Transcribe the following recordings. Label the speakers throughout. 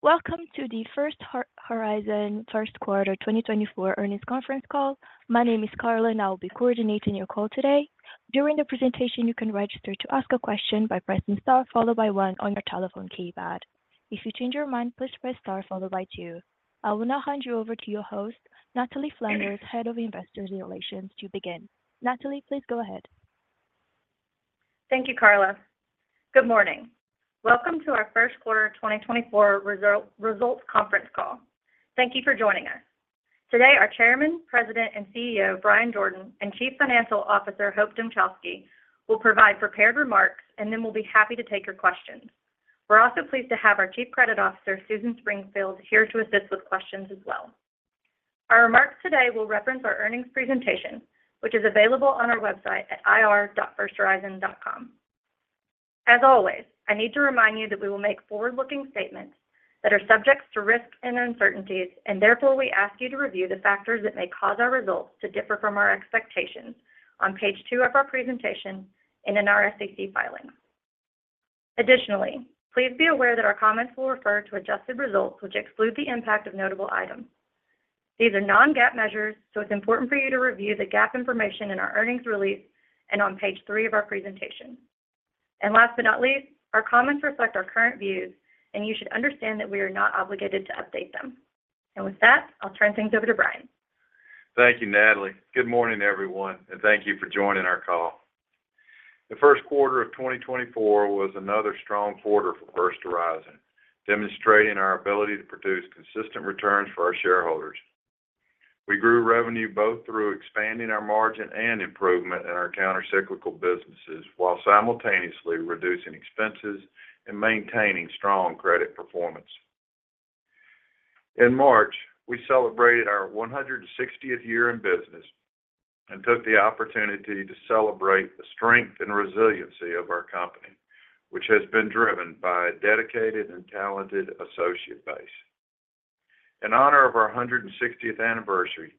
Speaker 1: Welcome to the First Horizon first quarter 2024 earnings conference call. My name is Carla. I'll be coordinating your call today. During the presentation, you can register to ask a question by pressing star followed by one on your telephone keypad. If you change your mind, please press star followed by 2. I will now hand you over to your host, Natalie Flanders, head of investor relations, to begin. Natalie, please go ahead.
Speaker 2: Thank you, Carla. Good morning. Welcome to our first quarter 2024 results conference call. Thank you for joining us. Today, our Chairman, President, and CEO, Bryan Jordan, and Chief Financial Officer, Hope Dmuchowski, will provide prepared remarks and then will be happy to take your questions. We're also pleased to have our Chief Credit Officer, Susan Springfield, here to assist with questions as well. Our remarks today will reference our earnings presentation, which is available on our website at ir.firsthorizon.com. As always, I need to remind you that we will make forward-looking statements that are subject to risk and uncertainties, and therefore we ask you to review the factors that may cause our results to differ from our expectations on page 2 of our presentation and in our SEC filings. Additionally, please be aware that our comments will refer to adjusted results, which exclude the impact of notable items. These are non-GAAP measures, so it's important for you to review the GAAP information in our earnings release and on page 3 of our presentation. Last but not least, our comments reflect our current views, and you should understand that we are not obligated to update them. With that, I'll turn things over to Bryan.
Speaker 3: Thank you, Natalie. Good morning, everyone, and thank you for joining our call. The first quarter of 2024 was another strong quarter for First Horizon, demonstrating our ability to produce consistent returns for our shareholders. We grew revenue both through expanding our margin and improvement in our countercyclical businesses while simultaneously reducing expenses and maintaining strong credit performance. In March, we celebrated our 160th year in business and took the opportunity to celebrate the strength and resiliency of our company, which has been driven by a dedicated and talented associate base. In honor of our 160th anniversary,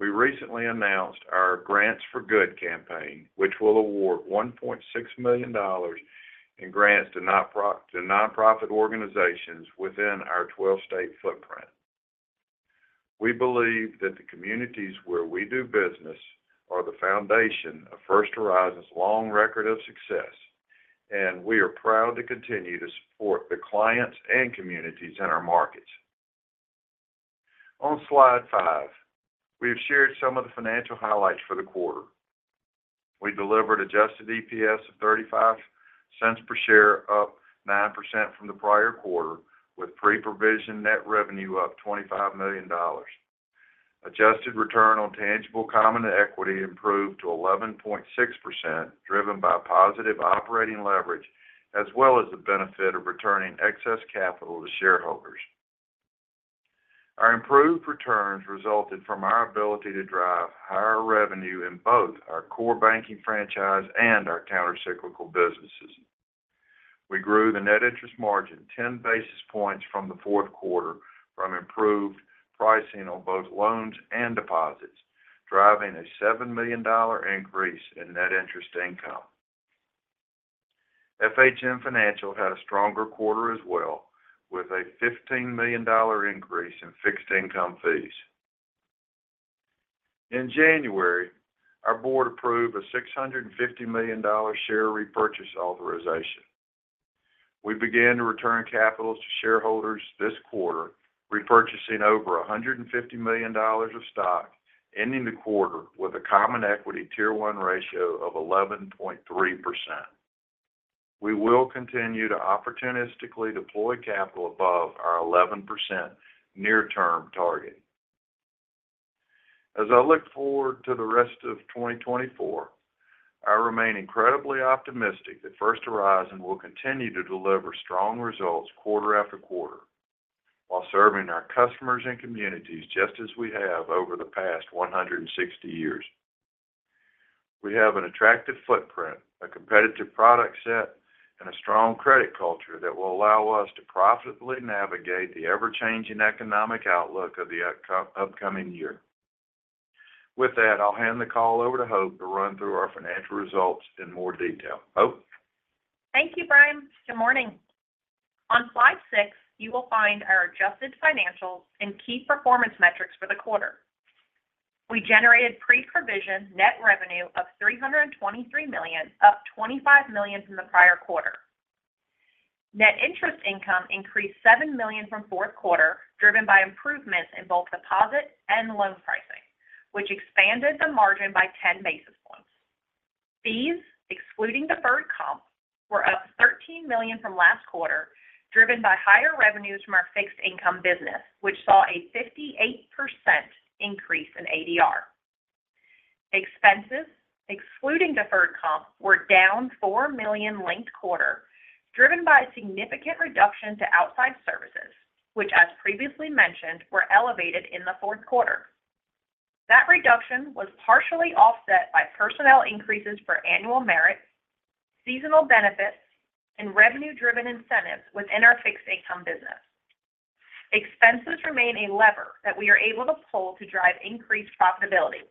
Speaker 3: we recently announced our Grants for Good campaign, which will award $1.6 million in grants to nonprofit organizations within our 12-state footprint. We believe that the communities where we do business are the foundation of First Horizon's long record of success, and we are proud to continue to support the clients and communities in our markets. On slide 5, we have shared some of the financial highlights for the quarter. We delivered adjusted EPS of 35 cents per share, up 9% from the prior quarter, with pre-provision net revenue up $25 million. Adjusted return on tangible common equity improved to 11.6%, driven by positive operating leverage as well as the benefit of returning excess capital to shareholders. Our improved returns resulted from our ability to drive higher revenue in both our core banking franchise and our countercyclical businesses. We grew the net interest margin 10 basis points from the fourth quarter from improved pricing on both loans and deposits, driving a $7 million increase in net interest income. FHN Financial had a stronger quarter as well, with a $15 million increase in fixed income fees. In January, our board approved a $650 million share repurchase authorization. We began to return capital to shareholders this quarter, repurchasing over $150 million of stock, ending the quarter with a Common Equity Tier 1 ratio of 11.3%. We will continue to opportunistically deploy capital above our 11% near-term target. As I look forward to the rest of 2024, I remain incredibly optimistic that First Horizon will continue to deliver strong results quarter after quarter while serving our customers and communities just as we have over the past 160 years. We have an attractive footprint, a competitive product set, and a strong credit culture that will allow us to profitably navigate the ever-changing economic outlook of the upcoming year. With that, I'll hand the call over to Hope to run through our financial results in more detail. Hope?
Speaker 4: Thank you, Bryan. Good morning. On slide 6, you will find our adjusted financials and key performance metrics for the quarter. We generated pre-provision net revenue of $323 million, up $25 million from the prior quarter. Net interest income increased $7 million from fourth quarter, driven by improvements in both deposit and loan pricing, which expanded the margin by 10 basis points. Fees, excluding deferred comp, were up $13 million from last quarter, driven by higher revenues from our fixed income business, which saw a 58% increase in ADR. Expenses, excluding deferred comp, were down $4 million linked quarter, driven by a significant reduction to outside services, which, as previously mentioned, were elevated in the fourth quarter. That reduction was partially offset by personnel increases for annual merit, seasonal benefits, and revenue-driven incentives within our fixed income business. Expenses remain a lever that we are able to pull to drive increased profitability.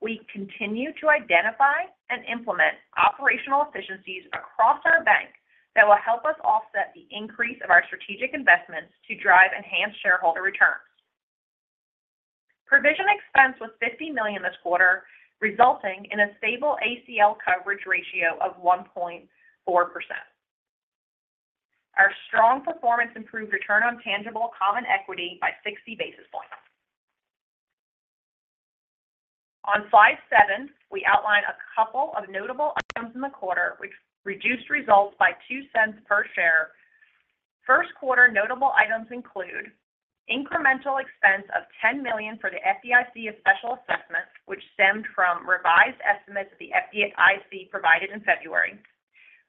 Speaker 4: We continue to identify and implement operational efficiencies across our bank that will help us offset the increase of our strategic investments to drive enhanced shareholder returns. Provision expense was $50 million this quarter, resulting in a stable ACL coverage ratio of 1.4%. Our strong performance improved return on tangible common equity by 60 basis points. On slide 7, we outline a couple of notable items in the quarter which reduced results by $0.02 per share. First quarter notable items include incremental expense of $10 million for the FDIC special assessments, which stemmed from revised estimates that the FDIC provided in February.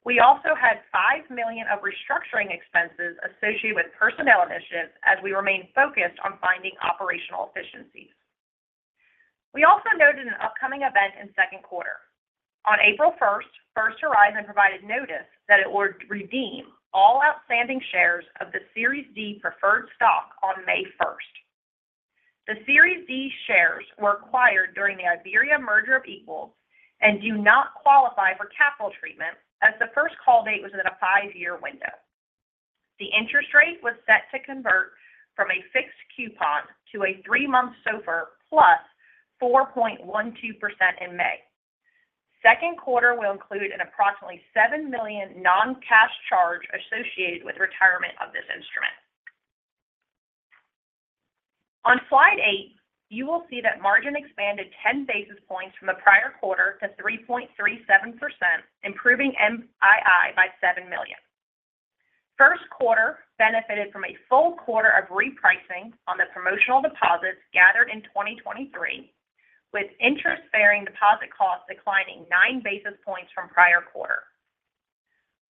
Speaker 4: We also had $5 million of restructuring expenses associated with personnel initiatives as we remain focused on finding operational efficiencies. We also noted an upcoming event in second quarter. On April 1st, First Horizon provided notice that it would redeem all outstanding shares of the Series D preferred stock on May 1st. The Series D shares were acquired during the Iberia merger of equals and do not qualify for capital treatment as the first call date was in a five-year window. The interest rate was set to convert from a fixed coupon to a three-month SOFR plus 4.12% in May. Second quarter will include an approximately $7 million non-cash charge associated with retirement of this instrument. On slide 8, you will see that margin expanded 10 basis points from the prior quarter to 3.37%, improving NII by $7 million. First quarter benefited from a full quarter of repricing on the promotional deposits gathered in 2023, with interest-bearing deposit costs declining 9 basis points from prior quarter.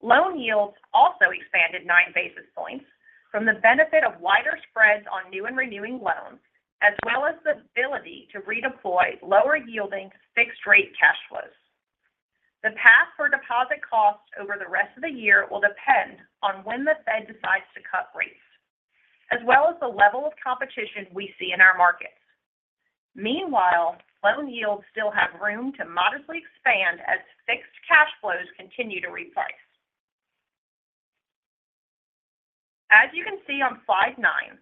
Speaker 4: Loan yields also expanded nine basis points from the benefit of wider spreads on new and renewing loans, as well as the ability to redeploy lower-yielding fixed-rate cash flows. The path for deposit costs over the rest of the year will depend on when the Fed decides to cut rates, as well as the level of competition we see in our markets. Meanwhile, loan yields still have room to modestly expand as fixed cash flows continue to reprice. As you can see on slide nine,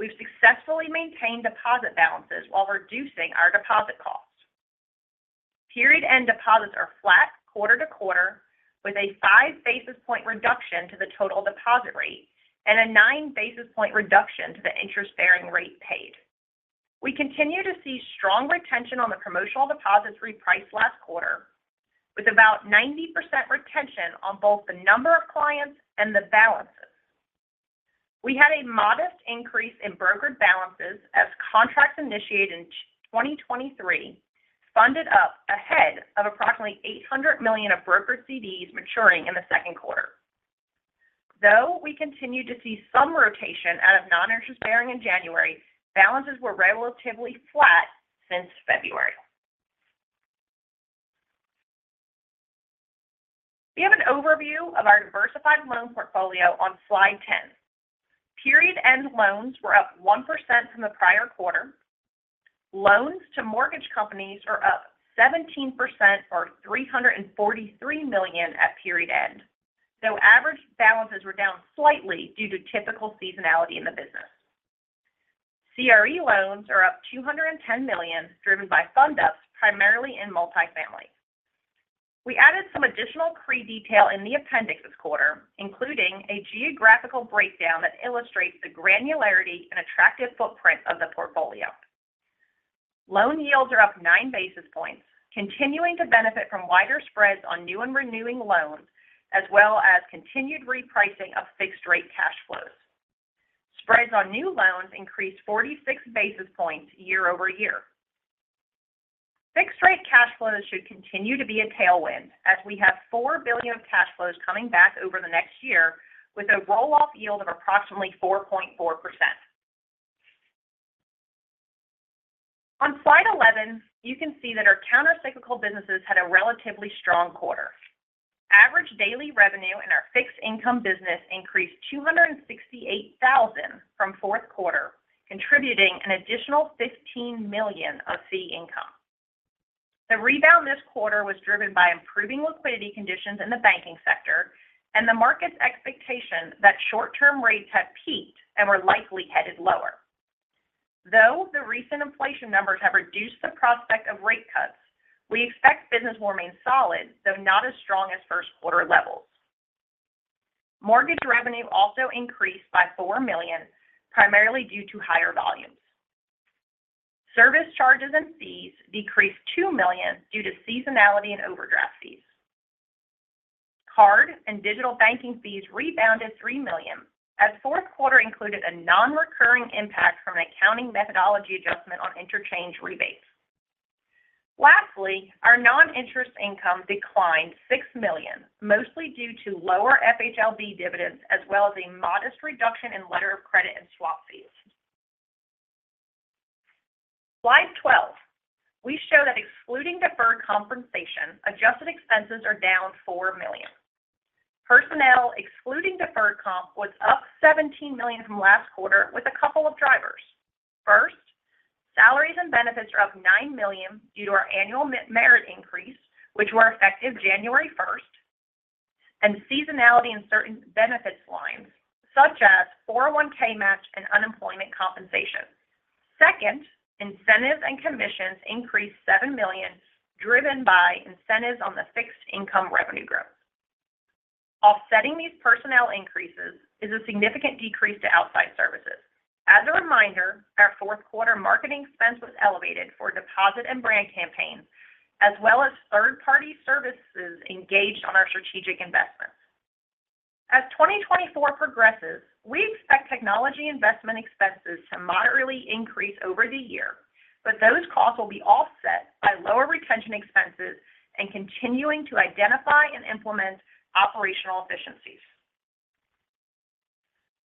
Speaker 4: we've successfully maintained deposit balances while reducing our deposit costs. Period-end deposits are flat quarter to quarter, with a five basis point reduction to the total deposit rate and a nine basis point reduction to the interest-bearing rate paid. We continue to see strong retention on the promotional deposits repriced last quarter, with about 90% retention on both the number of clients and the balances. We had a modest increase in brokered balances as contracts initiated in 2023 funded up ahead of approximately $800 million of brokered CDs maturing in the second quarter. Though we continue to see some rotation out of non-interest-bearing in January, balances were relatively flat since February. We have an overview of our diversified loan portfolio on slide 10. Period-end loans were up 1% from the prior quarter. Loans to mortgage companies are up 17% or $343 million at period-end, though average balances were down slightly due to typical seasonality in the business. CRE loans are up $210 million, driven by fund-ups primarily in multifamily. We added some additional CRE detail in the appendix this quarter, including a geographical breakdown that illustrates the granularity and attractive footprint of the portfolio. Loan yields are up 9 basis points, continuing to benefit from wider spreads on new and renewing loans, as well as continued repricing of fixed-rate cash flows. Spreads on new loans increased 46 basis points year-over-year. Fixed-rate cash flows should continue to be a tailwind as we have $4 billion of cash flows coming back over the next year, with a roll-off yield of approximately 4.4%. On slide 11, you can see that our countercyclical businesses had a relatively strong quarter. Average daily revenue in our fixed income business increased 268,000 from fourth quarter, contributing an additional $15 million of fee income. The rebound this quarter was driven by improving liquidity conditions in the banking sector and the market's expectation that short-term rates had peaked and were likely headed lower. Though the recent inflation numbers have reduced the prospect of rate cuts, we expect business will remain solid, though not as strong as first quarter levels. Mortgage revenue also increased by $4 million, primarily due to higher volumes. Service charges and fees decreased $2 million due to seasonality and overdraft fees. Card and digital banking fees rebounded $3 million as fourth quarter included a non-recurring impact from an accounting methodology adjustment on interchange rebates. Lastly, our non-interest income declined $6 million, mostly due to lower FHLB dividends as well as a modest reduction in letter of credit and swap fees. Slide 12, we show that excluding deferred compensation, adjusted expenses are down $4 million. Personnel, excluding deferred comp, was up $17 million from last quarter with a couple of drivers. First, salaries and benefits are up $9 million due to our annual merit increase, which were effective January 1st. Seasonality and certain benefits lines, such as 401(k) match and unemployment compensation. Second, incentives and commissions increased $7 million, driven by incentives on the fixed income revenue growth. Offsetting these personnel increases is a significant decrease to outside services. As a reminder, our fourth quarter marketing expense was elevated for deposit and brand campaigns, as well as third-party services engaged on our strategic investments. As 2024 progresses, we expect technology investment expenses to moderately increase over the year, but those costs will be offset by lower retention expenses and continuing to identify and implement operational efficiencies.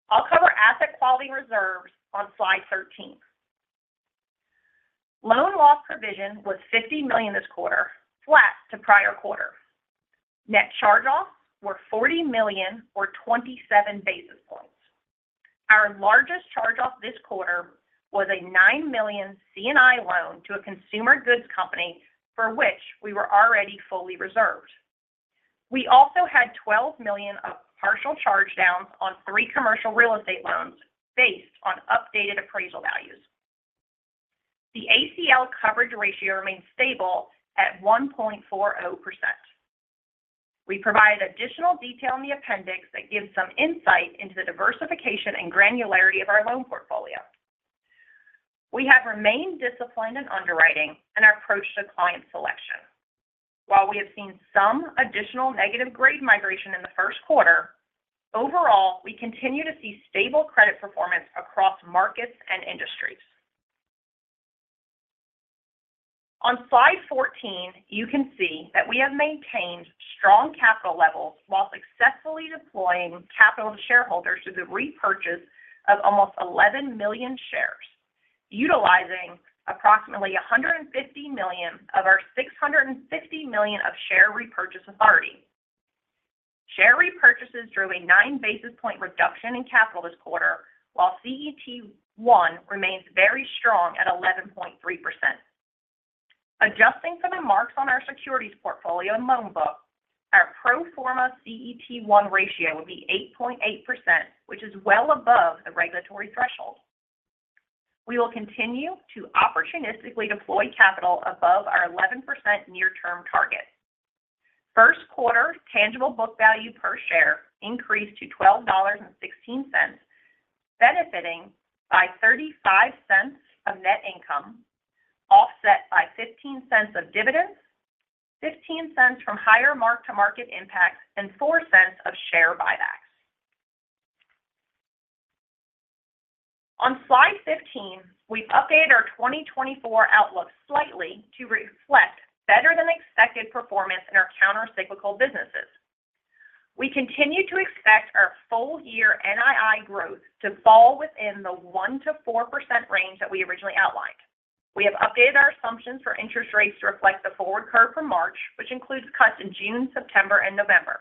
Speaker 4: I'll cover asset quality and reserves on slide 13. Loan loss provision was $50 million this quarter, flat to prior quarter. Net charge-offs were $40 million or 27 basis points. Our largest charge-off this quarter was a $9 million C&I loan to a consumer goods company for which we were already fully reserved. We also had $12 million of partial charge-downs on three commercial real estate loans based on updated appraisal values. The ACL coverage ratio remained stable at 1.40%. We provided additional detail in the appendix that gives some insight into the diversification and granularity of our loan portfolio. We have remained disciplined in underwriting and our approach to client selection. While we have seen some additional negative grade migration in the first quarter, overall, we continue to see stable credit performance across markets and industries. On slide 14, you can see that we have maintained strong capital levels while successfully deploying capital to shareholders through the repurchase of almost 11 million shares, utilizing approximately $150 million of our $650 million of share repurchase authority. Share repurchases drew a 9 basis points reduction in capital this quarter, while CET1 remains very strong at 11.3%. Adjusting from the marks on our securities portfolio and loan book, our pro forma CET1 ratio would be 8.8%, which is well above the regulatory threshold. We will continue to opportunistically deploy capital above our 11% near-term target. First quarter tangible book value per share increased to $12.16, benefiting by $0.35 of net income, offset by $0.15 of dividends, $0.15 from higher mark-to-market impacts, and $0.04 of share buybacks. On slide 15, we've updated our 2024 outlook slightly to reflect better-than-expected performance in our countercyclical businesses. We continue to expect our full-year NII growth to fall within the 1%-4% range that we originally outlined. We have updated our assumptions for interest rates to reflect the forward curve for March, which includes cuts in June, September, and November.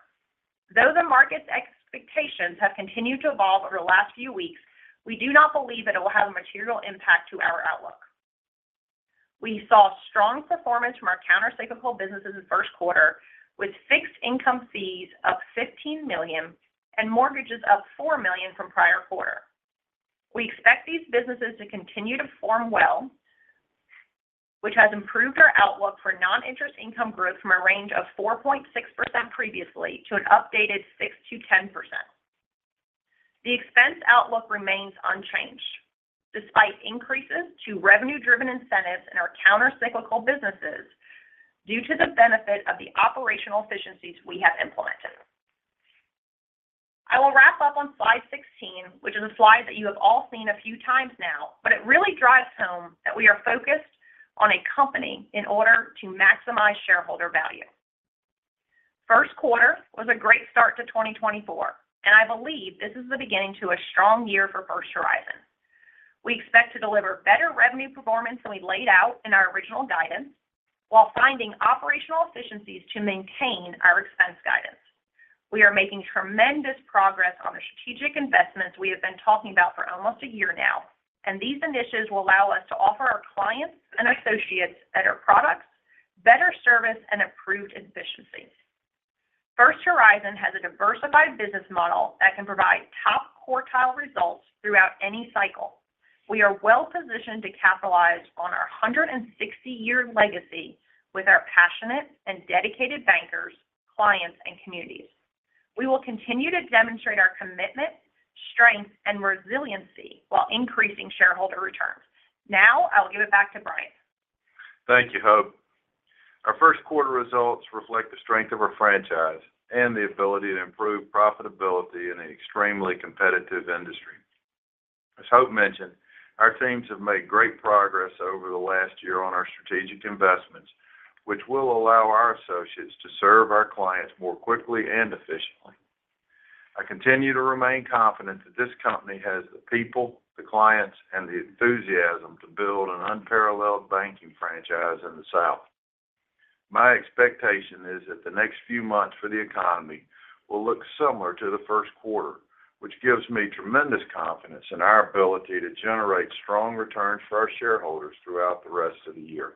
Speaker 4: Though the market's expectations have continued to evolve over the last few weeks, we do not believe that it will have a material impact to our outlook. We saw strong performance from our countercyclical businesses in first quarter, with fixed income fees up $15 million and mortgages up $4 million from prior quarter. We expect these businesses to continue to perform well, which has improved our outlook for non-interest income growth from a range of 4.6% previously to an updated 6%-10%. The expense outlook remains unchanged, despite increases to revenue-driven incentives in our countercyclical businesses due to the benefit of the operational efficiencies we have implemented. I will wrap up on slide 16, which is a slide that you have all seen a few times now, but it really drives home that we are focused on a company in order to maximize shareholder value. First quarter was a great start to 2024, and I believe this is the beginning to a strong year for First Horizon. We expect to deliver better revenue performance than we laid out in our original guidance while finding operational efficiencies to maintain our expense guidance. We are making tremendous progress on the strategic investments we have been talking about for almost a year now, and these initiatives will allow us to offer our clients and associates better products, better service, and improved efficiency. First Horizon has a diversified business model that can provide top quartile results throughout any cycle. We are well-positioned to capitalize on our 160-year legacy with our passionate and dedicated bankers, clients, and communities. We will continue to demonstrate our commitment, strength, and resiliency while increasing shareholder returns. Now, I'll give it back to Bryan. Thank you, Hope.
Speaker 3: Our first quarter results reflect the strength of our franchise and the ability to improve profitability in an extremely competitive industry. As Hope mentioned, our teams have made great progress over the last year on our strategic investments, which will allow our associates to serve our clients more quickly and efficiently. I continue to remain confident that this company has the people, the clients, and the enthusiasm to build an unparalleled banking franchise in the South. My expectation is that the next few months for the economy will look similar to the first quarter, which gives me tremendous confidence in our ability to generate strong returns for our shareholders throughout the rest of the year.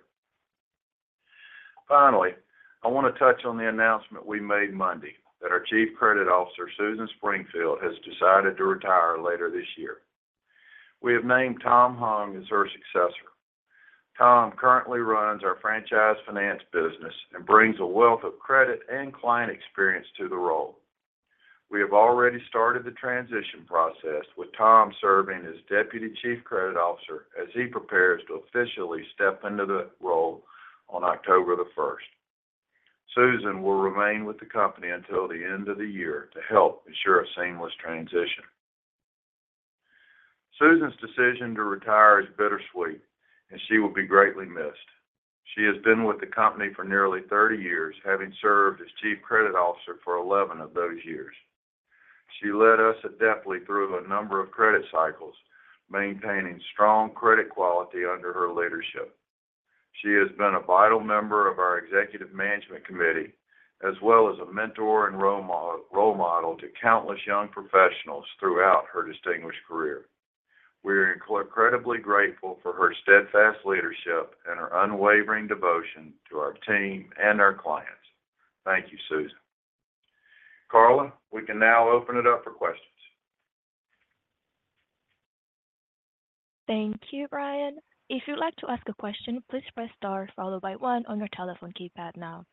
Speaker 3: Finally, I want to touch on the announcement we made Monday that our Chief Credit Officer, Susan Springfield, has decided to retire later this year. We have named Tom Hung as her successor. Tom currently runs our Franchise Finance business and brings a wealth of credit and client experience to the role. We have already started the transition process with Tom serving as Deputy Chief Credit Officer as he prepares to officially step into the role on October the 1st. Susan will remain with the company until the end of the year to help ensure a seamless transition. Susan's decision to retire is bittersweet, and she will be greatly missed. She has been with the company for nearly 30 years, having served as Chief Credit Officer for 11 of those years. She led us adeptly through a number of credit cycles, maintaining strong credit quality under her leadership. She has been a vital member of our Executive Management Committee, as well as a mentor and role model to countless young professionals throughout her distinguished career. We are incredibly grateful for her steadfast leadership and her unwavering devotion to our team and our clients. Thank you, Susan. Carla, we can now open it up for questions.
Speaker 1: Thank you, Bryan. If you'd like to ask a question, please press star followed by one on your telephone keypad now.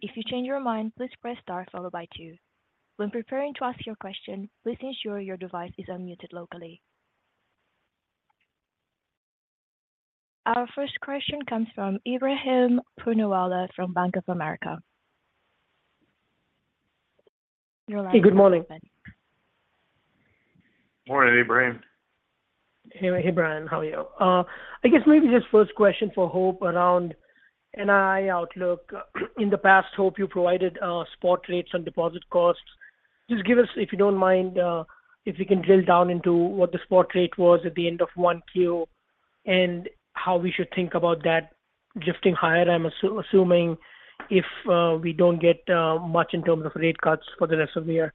Speaker 1: If you change your mind, please press star followed by two. When preparing to ask your question, please ensure your device is unmuted locally. Our first question comes from Ebrahim Poonawala from Bank of America.
Speaker 5: Hey, good morning.
Speaker 3: Morning, Ebrahim.
Speaker 5: Hey, Bryan. How are you? I guess maybe just first question for Hope around NII outlook. In the past, Hope, you provided spot rates on deposit costs. Just give us, if you don't mind, if we can drill down into what the spot rate was at the end of 1Q and how we should think about that drifting higher, I'm assuming, if we don't get much in terms of rate cuts for the rest of the year.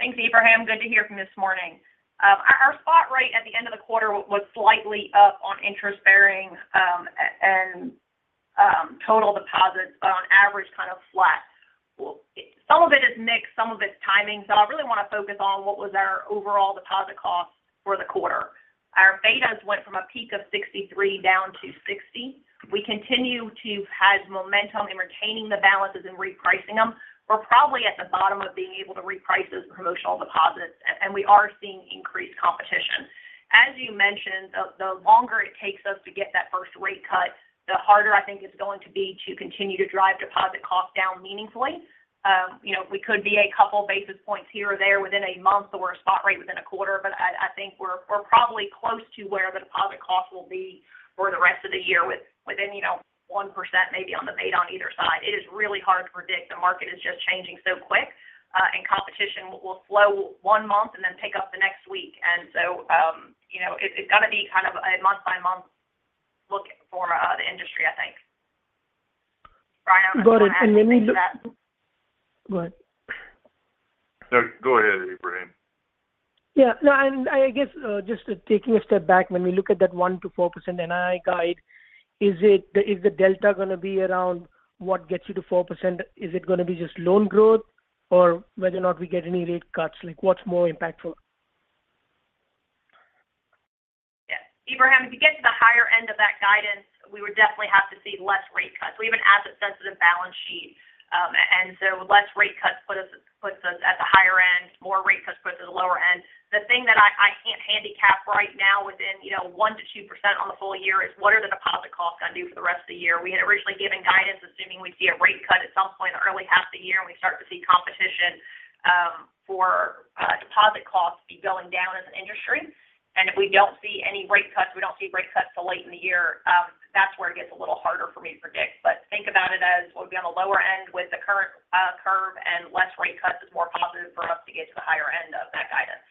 Speaker 4: Thanks, Ebrahim. Good to hear from you this morning. Our spot rate at the end of the quarter was slightly up on interest-bearing and total deposits, but on average, kind of flat. Some of it is mixed, some of it's timing. So I really want to focus on what was our overall deposit cost for the quarter. Our betas went from a peak of 63 down to 60. We continue to have momentum in retaining the balances and repricing them. We're probably at the bottom of being able to reprice those promotional deposits, and we are seeing increased competition. As you mentioned, the longer it takes us to get that first rate cut, the harder I think it's going to be to continue to drive deposit costs down meaningfully. We could be a couple basis points here or there within a month or a spot rate within a quarter, but I think we're probably close to where the deposit costs will be for the rest of the year, within 1% maybe on the beta on either side. It is really hard to predict. The market is just changing so quick, and competition will slow one month and then pick up the next week. And so it's got to be kind of a month-by-month look for the industry, I think. Bryan, I'm going to ask you that.
Speaker 5: Go ahead.
Speaker 3: Go ahead, Ebrahim.
Speaker 5: Yeah. No, and I guess just taking a step back, when we look at that 1%-4% NII guide, is the delta going to be around what gets you to 4%? Is it going to be just loan growth or whether or not we get any rate cuts? What's more impactful?
Speaker 4: Yes. Ebrahim, if you get to the higher end of that guidance, we would definitely have to see less rate cuts. We have an asset-sensitive balance sheet, and so less rate cuts puts us at the higher end. More rate cuts puts us at the lower end. The thing that I can't handicap right now within 1%-2% on the full year is what are the deposit costs going to do for the rest of the year? We had originally given guidance assuming we see a rate cut at some point in the early half of the year and we start to see competition for deposit costs be going down as an industry. And if we don't see any rate cuts, we don't see rate cuts till late in the year, that's where it gets a little harder for me to predict. But think about it as we'll be on the lower end with the current curve, and less rate cuts is more positive for us to get to the higher end of that guidance.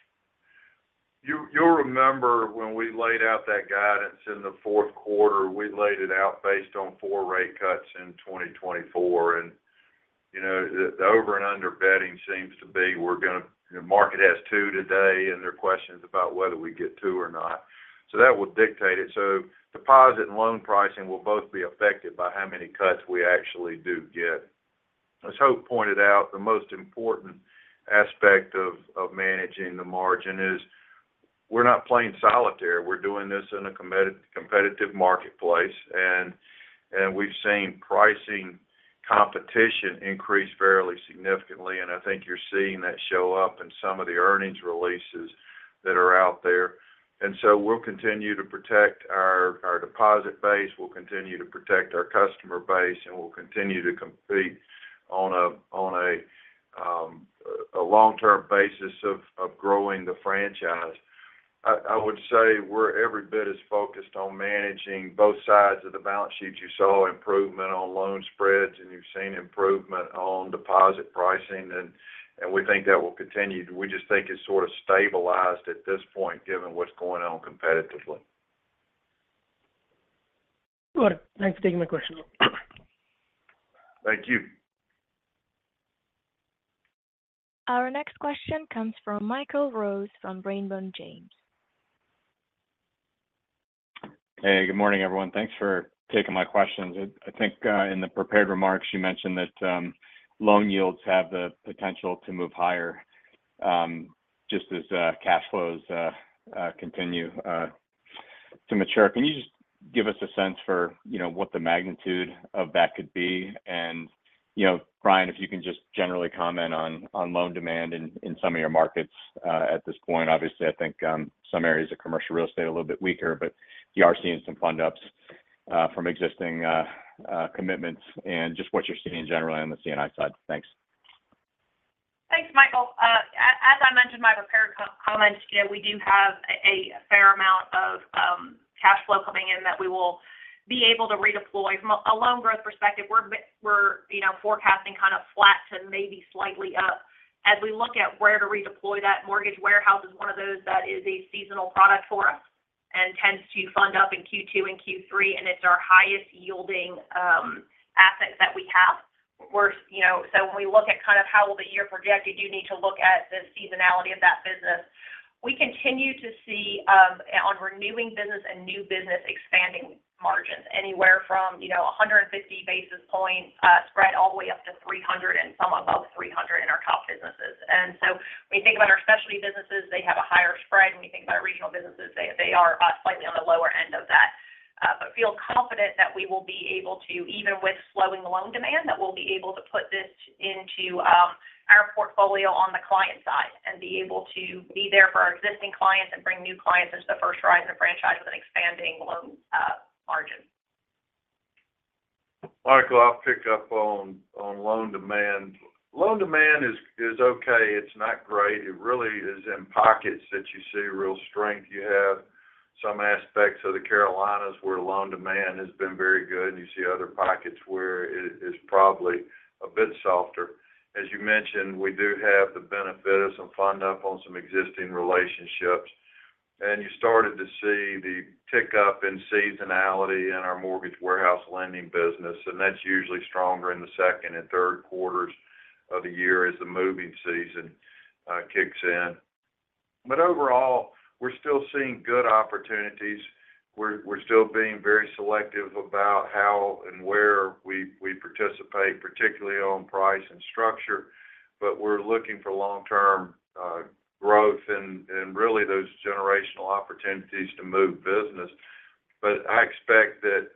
Speaker 3: You'll remember when we laid out that guidance in the fourth quarter, we laid it out based on 4 rate cuts in 2024. And the over and under betting seems to be we're going to the market has 2 today, and there are questions about whether we get 2 or not. So that will dictate it. So deposit and loan pricing will both be affected by how many cuts we actually do get. As Hope pointed out, the most important aspect of managing the margin is we're not playing solitary. We're doing this in a competitive marketplace, and we've seen pricing competition increase fairly significantly. And I think you're seeing that show up in some of the earnings releases that are out there. And so we'll continue to protect our deposit base. We'll continue to protect our customer base, and we'll continue to compete on a long-term basis of growing the franchise. I would say we're every bit as focused on managing both sides of the balance sheet. You saw improvement on loan spreads, and you've seen improvement on deposit pricing, and we think that will continue. We just think it's sort of stabilized at this point given what's going on competitively.
Speaker 5: Got it. Thanks for taking my question.
Speaker 2: Thank you.
Speaker 1: Our next question comes from Michael Rose from Raymond James.
Speaker 6: Hey, good morning, everyone. Thanks for taking my questions. I think in the prepared remarks, you mentioned that loan yields have the potential to move higher just as cash flows continue to mature. Can you just give us a sense for what the magnitude of that could be? And Bryan, if you can just generally comment on loan demand in some of your markets at this point? Obviously, I think some areas of commercial real estate are a little bit weaker, but you are seeing some fund-ups from existing commitments and just what you're seeing generally on the C&I side. Thanks.
Speaker 4: Thanks, Michael. As I mentioned in my prepared comments, we do have a fair amount of cash flow coming in that we will be able to redeploy. From a loan growth perspective, we're forecasting kind of flat to maybe slightly up. As we look at where to redeploy that, mortgage warehouse is one of those that is a seasonal product for us and tends to fund up in Q2 and Q3, and it's our highest-yielding asset that we have. So when we look at kind of how will the year project, you do need to look at the seasonality of that business. We continue to see on renewing business and new business expanding margins anywhere from 150 basis points spread all the way up to 300 and some above 300 in our top businesses. And so when you think about our specialty businesses, they have a higher spread. When you think about our regional businesses, they are slightly on the lower end of that. But feel confident that we will be able to, even with slowing loan demand, that we'll be able to put this into our portfolio on the client side and be able to be there for our existing clients and bring new clients into the First Horizon franchise with an expanding loan margin.
Speaker 3: Michael, I'll pick up on loan demand. Loan demand is okay. It's not great. It really is in pockets that you see real strength. You have some aspects of the Carolinas where loan demand has been very good, and you see other pockets where it's probably a bit softer. As you mentioned, we do have the benefit of some fund-up on some existing relationships. And you started to see the tick-up in seasonality in our mortgage warehouse lending business, and that's usually stronger in the second and third quarters of the year as the moving season kicks in. But overall, we're still seeing good opportunities. We're still being very selective about how and where we participate, particularly on price and structure, but we're looking for long-term growth and really those generational opportunities to move business. I expect that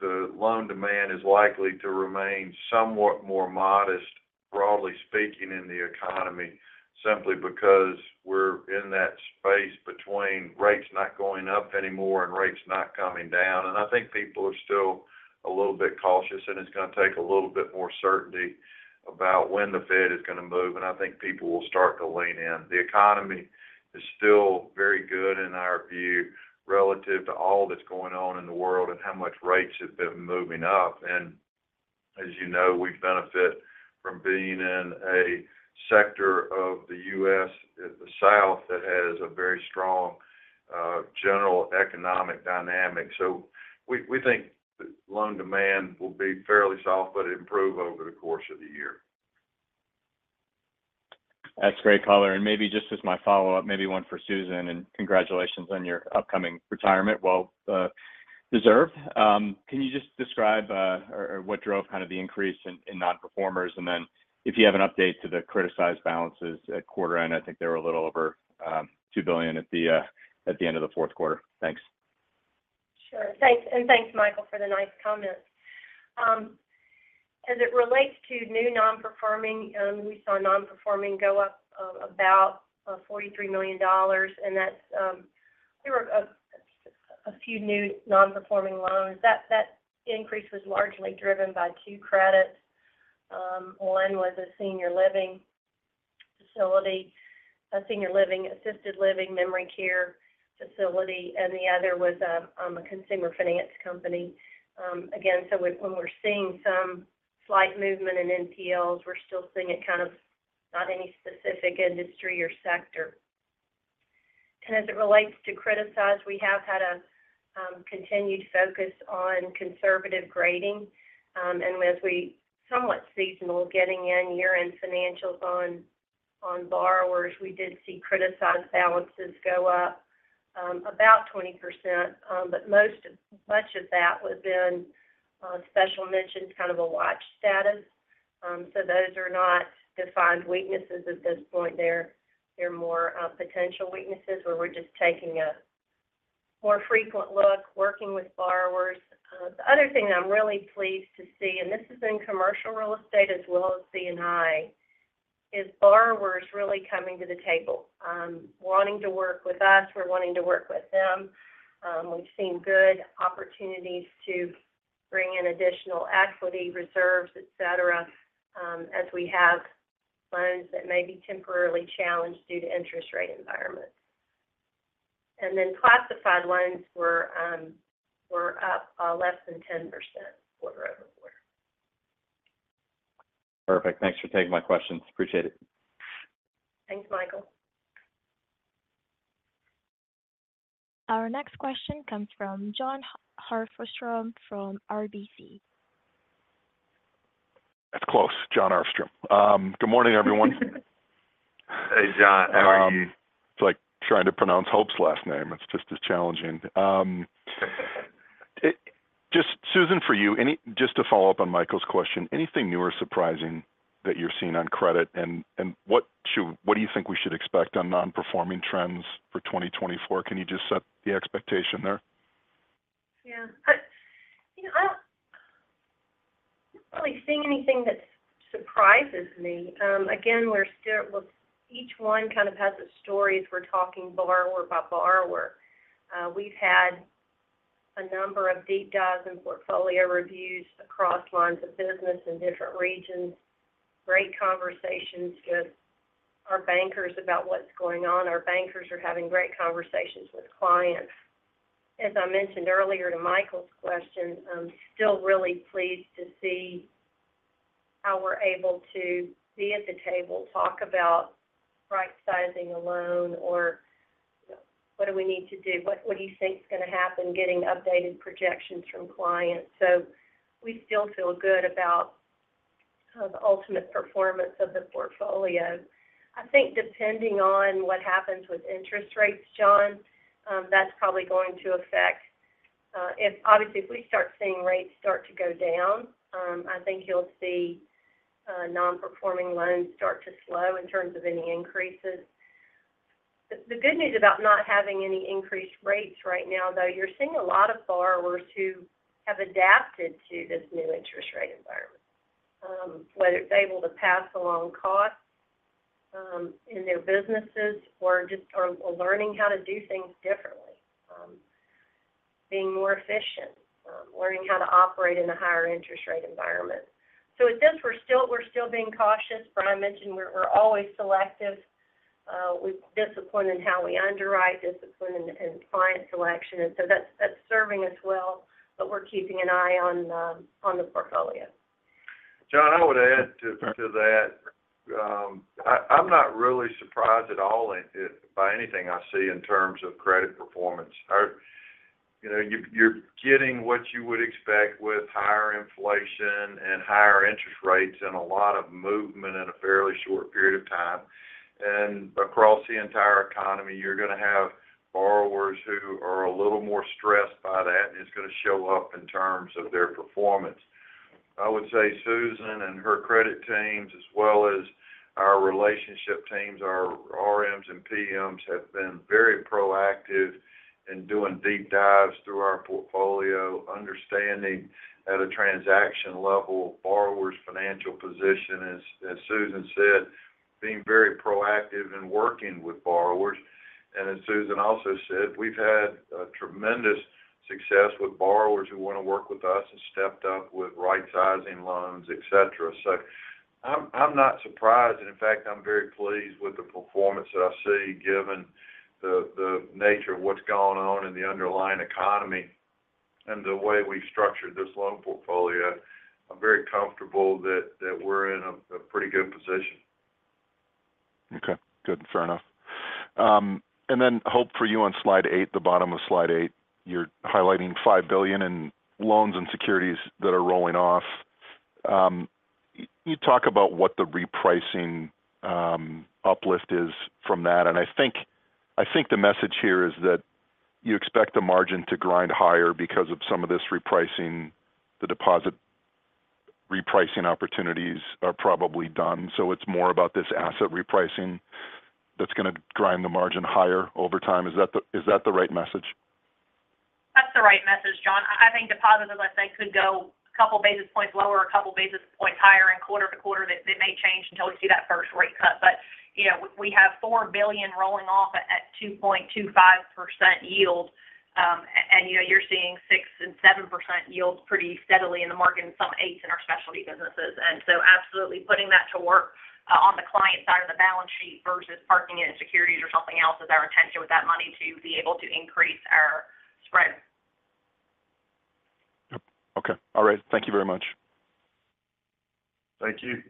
Speaker 3: the loan demand is likely to remain somewhat more modest, broadly speaking, in the economy simply because we're in that space between rates not going up anymore and rates not coming down. I think people are still a little bit cautious, and it's going to take a little bit more certainty about when the Fed is going to move, and I think people will start to lean in. The economy is still very good in our view relative to all that's going on in the world and how much rates have been moving up. As you know, we benefit from being in a sector of the U.S., the South, that has a very strong general economic dynamic. We think loan demand will be fairly soft, but improve over the course of the year.
Speaker 6: That's great, Caller. And maybe just as my follow-up, maybe one for Susan, and congratulations on your upcoming retirement. Well, deserved. Can you just describe what drove kind of the increase in non-performers? And then if you have an update to the criticized balances at quarter end, I think they were a little over $2 billion at the end of the fourth quarter. Thanks.
Speaker 7: Sure. Thanks. And thanks, Michael, for the nice comments. As it relates to new non-performing, we saw non-performing go up about $43 million, and we were a few new non-performing loans. That increase was largely driven by two credits. One was a senior living facility, a senior living assisted living memory care facility, and the other was a consumer finance company. Again, so when we're seeing some slight movement in NPLs, we're still seeing it kind of not any specific industry or sector. And as it relates to criticized, we have had a continued focus on conservative grading. And as we somewhat seasonal getting in year-end financials on borrowers, we did see criticized balances go up about 20%, but much of that was then Special Mentions, kind of a watch status. So those are not defined weaknesses at this point. are more potential weaknesses where we're just taking a more frequent look, working with borrowers. The other thing that I'm really pleased to see, and this is in commercial real estate as well as C&I, is borrowers really coming to the table, wanting to work with us. We're wanting to work with them. We've seen good opportunities to bring in additional equity, reserves, etc., as we have loans that may be temporarily challenged due to interest rate environments. And then classified loans were up less than 10% quarter-over-quarter.
Speaker 6: Perfect. Thanks for taking my questions. Appreciate it.
Speaker 4: Thanks, Michael.
Speaker 1: Our next question comes from Jon Arfstrom from RBC.
Speaker 8: That's close. Jon Arfstrom. Good morning, everyone.
Speaker 3: Hey, John. How are you?
Speaker 8: It's like trying to pronounce Hope's last name. It's just as challenging. Just Susan, for you, just to follow up on Michael's question, anything new or surprising that you're seeing on credit? And what do you think we should expect on non-performing trends for 2024? Can you just set the expectation there?
Speaker 7: Yeah. I'm not really seeing anything that surprises me. Again, each one kind of has its stories. We're talking borrower by borrower. We've had a number of deep dives and portfolio reviews across lines of business in different regions, great conversations with our bankers about what's going on. Our bankers are having great conversations with clients. As I mentioned earlier to Michael's question, I'm still really pleased to see how we're able to be at the table, talk about right-sizing a loan, or what do we need to do? What do you think's going to happen getting updated projections from clients? So we still feel good about the ultimate performance of the portfolio. I think depending on what happens with interest rates, Jon, that's probably going to affect obviously, if we start seeing rates start to go down, I think you'll see non-performing loans start to slow in terms of any increases. The good news about not having any increased rates right now, though, you're seeing a lot of borrowers who have adapted to this new interest rate environment, whether it's able to pass along costs in their businesses or learning how to do things differently, being more efficient, learning how to operate in a higher interest rate environment. So with this, we're still being cautious. Bryan, I mentioned we're always selective. We're disciplined in how we underwrite, disciplined in client selection. And so that's serving us well, but we're keeping an eye on the portfolio.
Speaker 3: John, I would add to that. I'm not really surprised at all by anything I see in terms of credit performance. You're getting what you would expect with higher inflation and higher interest rates and a lot of movement in a fairly short period of time. Across the entire economy, you're going to have borrowers who are a little more stressed by that, and it's going to show up in terms of their performance. I would say Susan and her credit teams, as well as our relationship teams, our RMs and PMs, have been very proactive in doing deep dives through our portfolio, understanding at a transaction level borrowers' financial position. As Susan said, being very proactive in working with borrowers. As Susan also said, we've had tremendous success with borrowers who want to work with us and stepped up with right-sizing loans, etc. So I'm not surprised. In fact, I'm very pleased with the performance that I see given the nature of what's going on in the underlying economy and the way we've structured this loan portfolio. I'm very comfortable that we're in a pretty good position.
Speaker 8: Okay. Good. Fair enough. And then Hope, for you on slide 8, the bottom of slide 8, you're highlighting $5 billion in loans and securities that are rolling off. You talk about what the repricing uplift is from that. And I think the message here is that you expect the margin to grind higher because of some of this repricing. The deposit repricing opportunities are probably done. So it's more about this asset repricing that's going to grind the margin higher over time. Is that the right message?
Speaker 4: That's the right message, John. I think deposits, as I said, could go a couple basis points lower, a couple basis points higher in quarter-to-quarter. It may change until we see that first rate cut. But we have $4 billion rolling off at 2.25% yield, and you're seeing 6% and 7% yield pretty steadily in the market and some 8s in our specialty businesses. And so absolutely putting that to work on the client side of the balance sheet versus parking it in securities or something else is our intention with that money to be able to increase our spread.
Speaker 8: Yep. Okay. All right. Thank you very much.
Speaker 3: Thank you.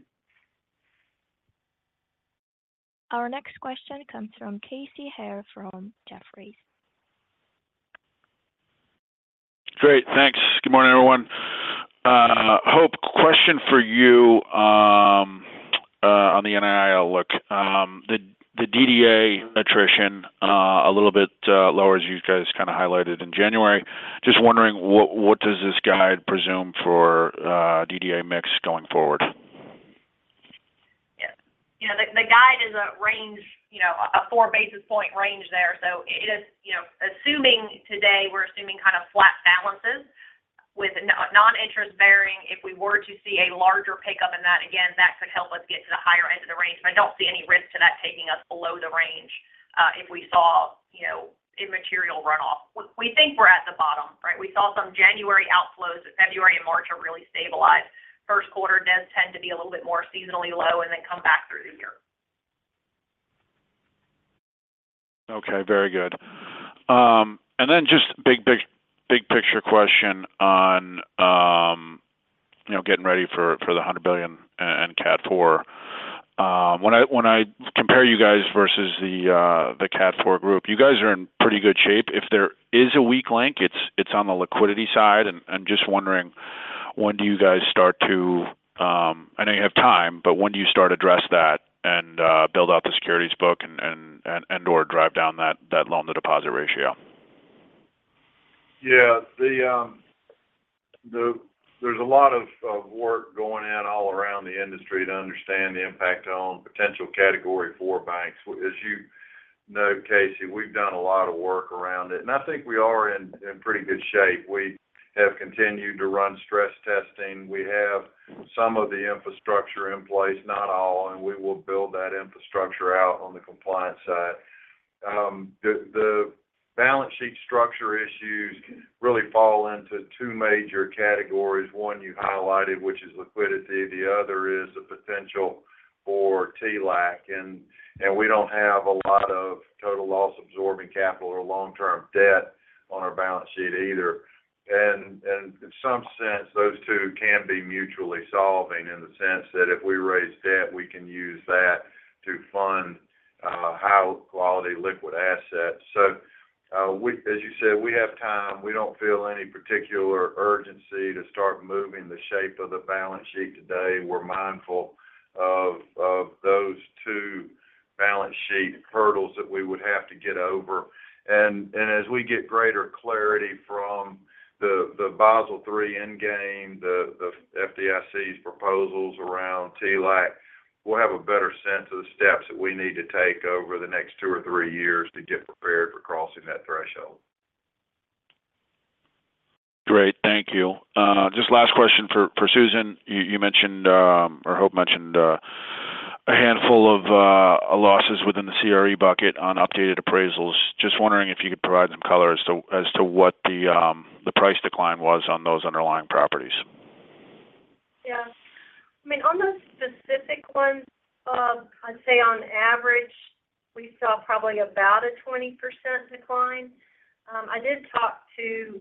Speaker 1: Our next question comes from Casey Haire from Jefferies.
Speaker 9: Great. Thanks. Good morning, everyone. Hope, question for you on the NII look. The DDA attrition a little bit lower, as you guys kind of highlighted in January. Just wondering, what does this guide presume for DDA mix going forward?
Speaker 4: Yeah. The guide is a 4 basis point range there. So assuming today, we're assuming kind of flat balances with non-interest-bearing. If we were to see a larger pickup in that, again, that could help us get to the higher end of the range. But I don't see any risk to that taking us below the range if we saw immaterial runoff. We think we're at the bottom, right? We saw some January outflows. February and March are really stabilized. First quarter does tend to be a little bit more seasonally low and then come back through the year.
Speaker 9: Okay. Very good. Then just big, big picture question on getting ready for the $100 billion and Category IV. When I compare you guys versus the Category IV group, you guys are in pretty good shape. If there is a weak link, it's on the liquidity side. And just wondering, when do you guys start to—I know you have time, but when do you start to address that and build out the securities book and/or drive down that loan-to-deposit ratio?
Speaker 3: Yeah. There's a lot of work going in all around the industry to understand the impact on potential Category IV banks. As you note, Casey, we've done a lot of work around it, and I think we are in pretty good shape. We have continued to run stress testing. We have some of the infrastructure in place, not all, and we will build that infrastructure out on the compliance side. The balance sheet structure issues really fall into two major categories. One, you highlighted, which is liquidity. The other is the potential for TLAC. And we don't have a lot of total loss-absorbing capital or long-term debt on our balance sheet either. And in some sense, those two can be mutually solving in the sense that if we raise debt, we can use that to fund high-quality liquid assets. So as you said, we have time. We don't feel any particular urgency to start moving the shape of the balance sheet today. We're mindful of those two balance sheet hurdles that we would have to get over. As we get greater clarity from the Basel III Endgame, the FDIC's proposals around TLAC, we'll have a better sense of the steps that we need to take over the next two or three years to get prepared for crossing that threshold.
Speaker 9: Great. Thank you. Just last question for Susan. You mentioned, or Hope mentioned, a handful of losses within the CRE bucket on updated appraisals. Just wondering if you could provide some color as to what the price decline was on those underlying properties?
Speaker 7: Yeah. I mean, on those specific ones, I'd say on average, we saw probably about a 20% decline. I did talk to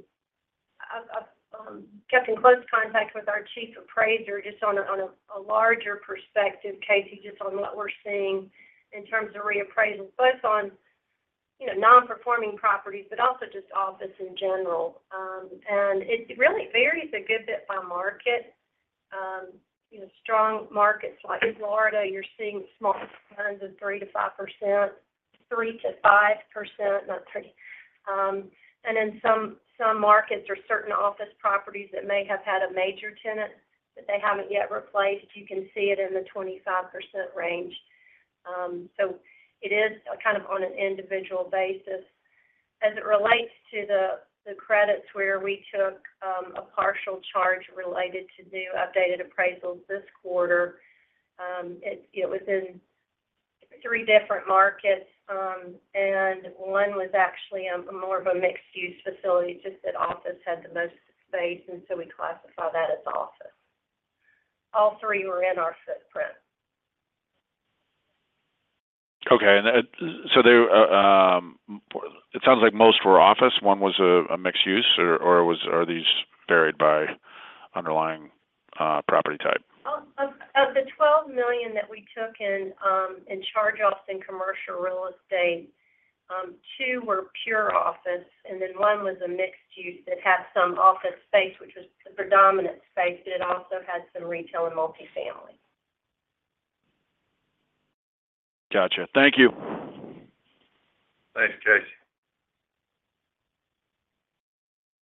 Speaker 7: kept in close contact with our chief appraiser just on a larger perspective, Casey, just on what we're seeing in terms of reappraisals, both on non-performing properties but also just office in general. And it really varies a good bit by market. Strong markets like Florida, you're seeing small declines of 3%-5%, 3%-5%, not 30%. And in some markets or certain office properties that may have had a major tenant that they haven't yet replaced, you can see it in the 25% range. So it is kind of on an individual basis. As it relates to the credits where we took a partial charge related to new updated appraisals this quarter, it was in three different markets. One was actually more of a mixed-use facility. It's just that office had the most space, and so we classify that as office. All three were in our footprint.
Speaker 9: Okay. And so it sounds like most were office. One was a mixed use, or are these varied by underlying property type?
Speaker 7: Of the $12 million that we took in charge-offs in commercial real estate, two were pure office, and then one was a mixed-use that had some office space, which was the predominant space, but it also had some retail and multifamily.
Speaker 9: Gotcha. Thank you.
Speaker 3: Thanks, Casey.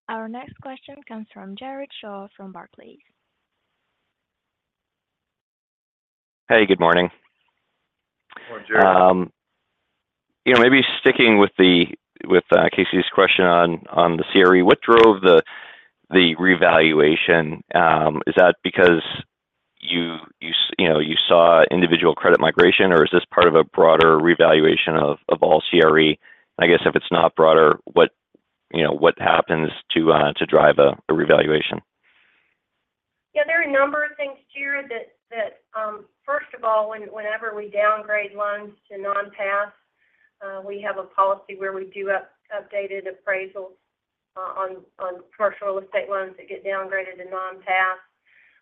Speaker 1: Our next question comes from Jared Shaw from Barclays.
Speaker 10: Hey. Good morning.
Speaker 3: Good morning, Jared.
Speaker 10: Maybe sticking with Casey's question on the CRE, what drove the revaluation? Is that because you saw individual credit migration, or is this part of a broader revaluation of all CRE? And I guess if it's not broader, what happens to drive a revaluation?
Speaker 7: Yeah. There are a number of things, Jared, that first of all, whenever we downgrade loans to non-pass, we have a policy where we do updated appraisals on commercial real estate loans that get downgraded to non-pass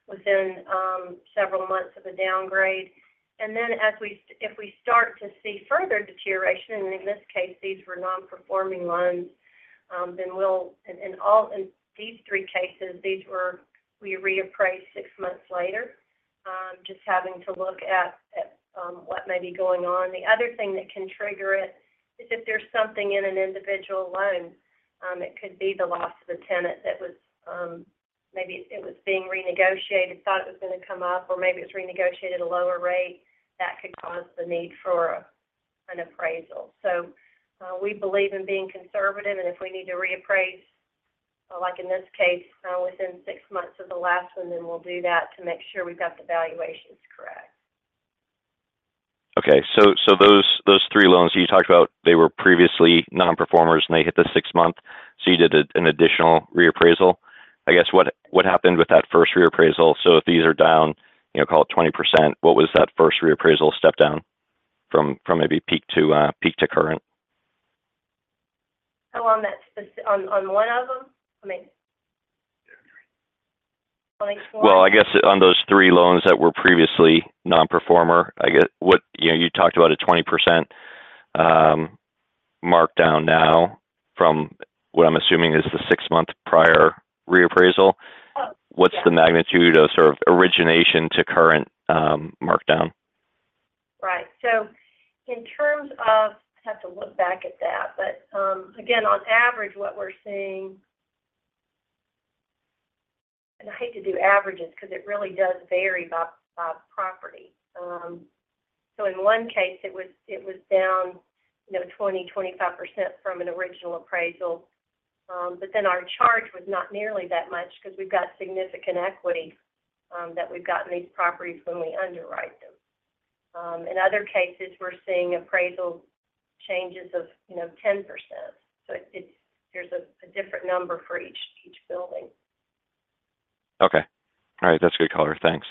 Speaker 7: within several months of a downgrade. And then if we start to see further deterioration - and in this case, these were non-performing loans - then we'll in these three cases, we reappraise six months later, just having to look at what may be going on. The other thing that can trigger it is if there's something in an individual loan. It could be the loss of a tenant that was maybe it was being renegotiated, thought it was going to come up, or maybe it was renegotiated at a lower rate. That could cause the need for an appraisal. So we believe in being conservative. If we need to reappraise, like in this case, within six months of the last one, then we'll do that to make sure we've got the valuations correct.
Speaker 10: Okay. So those three loans you talked about, they were previously non-performers, and they hit the six-month, so you did an additional reappraisal. I guess what happened with that first reappraisal? So if these are down, call it 20%, what was that first reappraisal step down from maybe peak to current?
Speaker 7: How long that's on one of them? I mean, 20?
Speaker 10: Well, I guess on those three loans that were previously non-performer, you talked about a 20% markdown now from what I'm assuming is the six-month prior reappraisal. What's the magnitude of sort of origination to current markdown?
Speaker 7: Right. So in terms of—I'd have to look back at that. But again, on average, what we're seeing and I hate to do averages because it really does vary by property. So in one case, it was down 20%-25% from an original appraisal. But then our charge was not nearly that much because we've got significant equity that we've got in these properties when we underwrite them. In other cases, we're seeing appraisal changes of 10%. So there's a different number for each building.
Speaker 10: Okay. All right. That's good color. Thanks.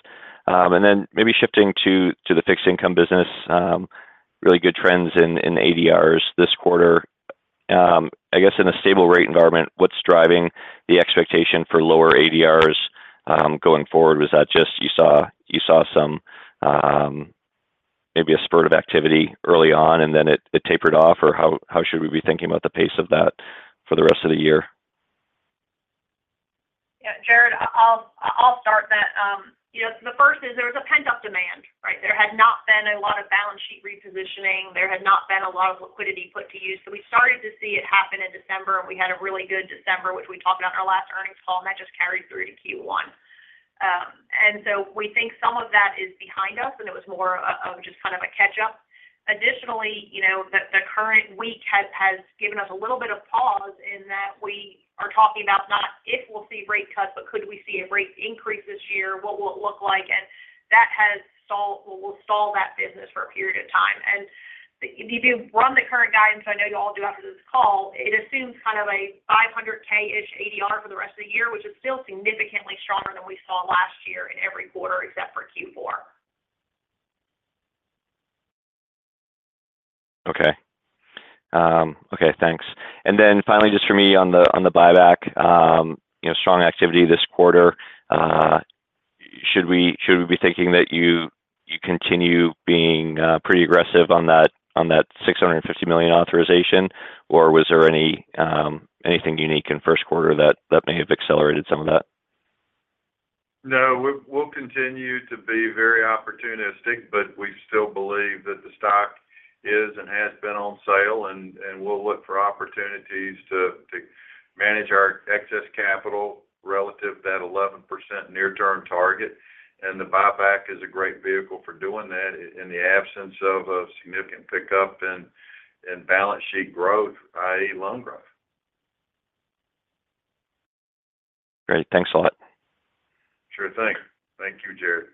Speaker 10: And then maybe shifting to the fixed income business, really good trends in ADRs this quarter. I guess in a stable rate environment, what's driving the expectation for lower ADRs going forward? Was that just you saw maybe a spurt of activity early on, and then it tapered off, or how should we be thinking about the pace of that for the rest of the year?
Speaker 4: Yeah. Jared, I'll start that. The first is there was a pent-up demand, right? There had not been a lot of balance sheet repositioning. There had not been a lot of liquidity put to use. So we started to see it happen in December, and we had a really good December, which we talked about in our last earnings call, and that just carried through to Q1. And so we think some of that is behind us, and it was more of just kind of a catch-up. Additionally, the current week has given us a little bit of pause in that we are talking about not if we'll see rate cuts, but could we see a rate increase this year? What will it look like? And that has stalled. Well, we'll stall that business for a period of time. If you run the current guidance - I know you all do after this call - it assumes kind of a $500K ADR for the rest of the year, which is still significantly stronger than we saw last year in every quarter except for Q4.
Speaker 10: Okay. Okay. Thanks. Then finally, just for me on the buyback, strong activity this quarter. Should we be thinking that you continue being pretty aggressive on that $650 million authorization, or was there anything unique in first quarter that may have accelerated some of that?
Speaker 3: No. We'll continue to be very opportunistic, but we still believe that the stock is and has been on sale, and we'll look for opportunities to manage our excess capital relative to that 11% near-term target. And the buyback is a great vehicle for doing that in the absence of a significant pickup in balance sheet growth, i.e., loan growth.
Speaker 10: Great. Thanks a lot.
Speaker 3: Sure thing. Thank you, Jared.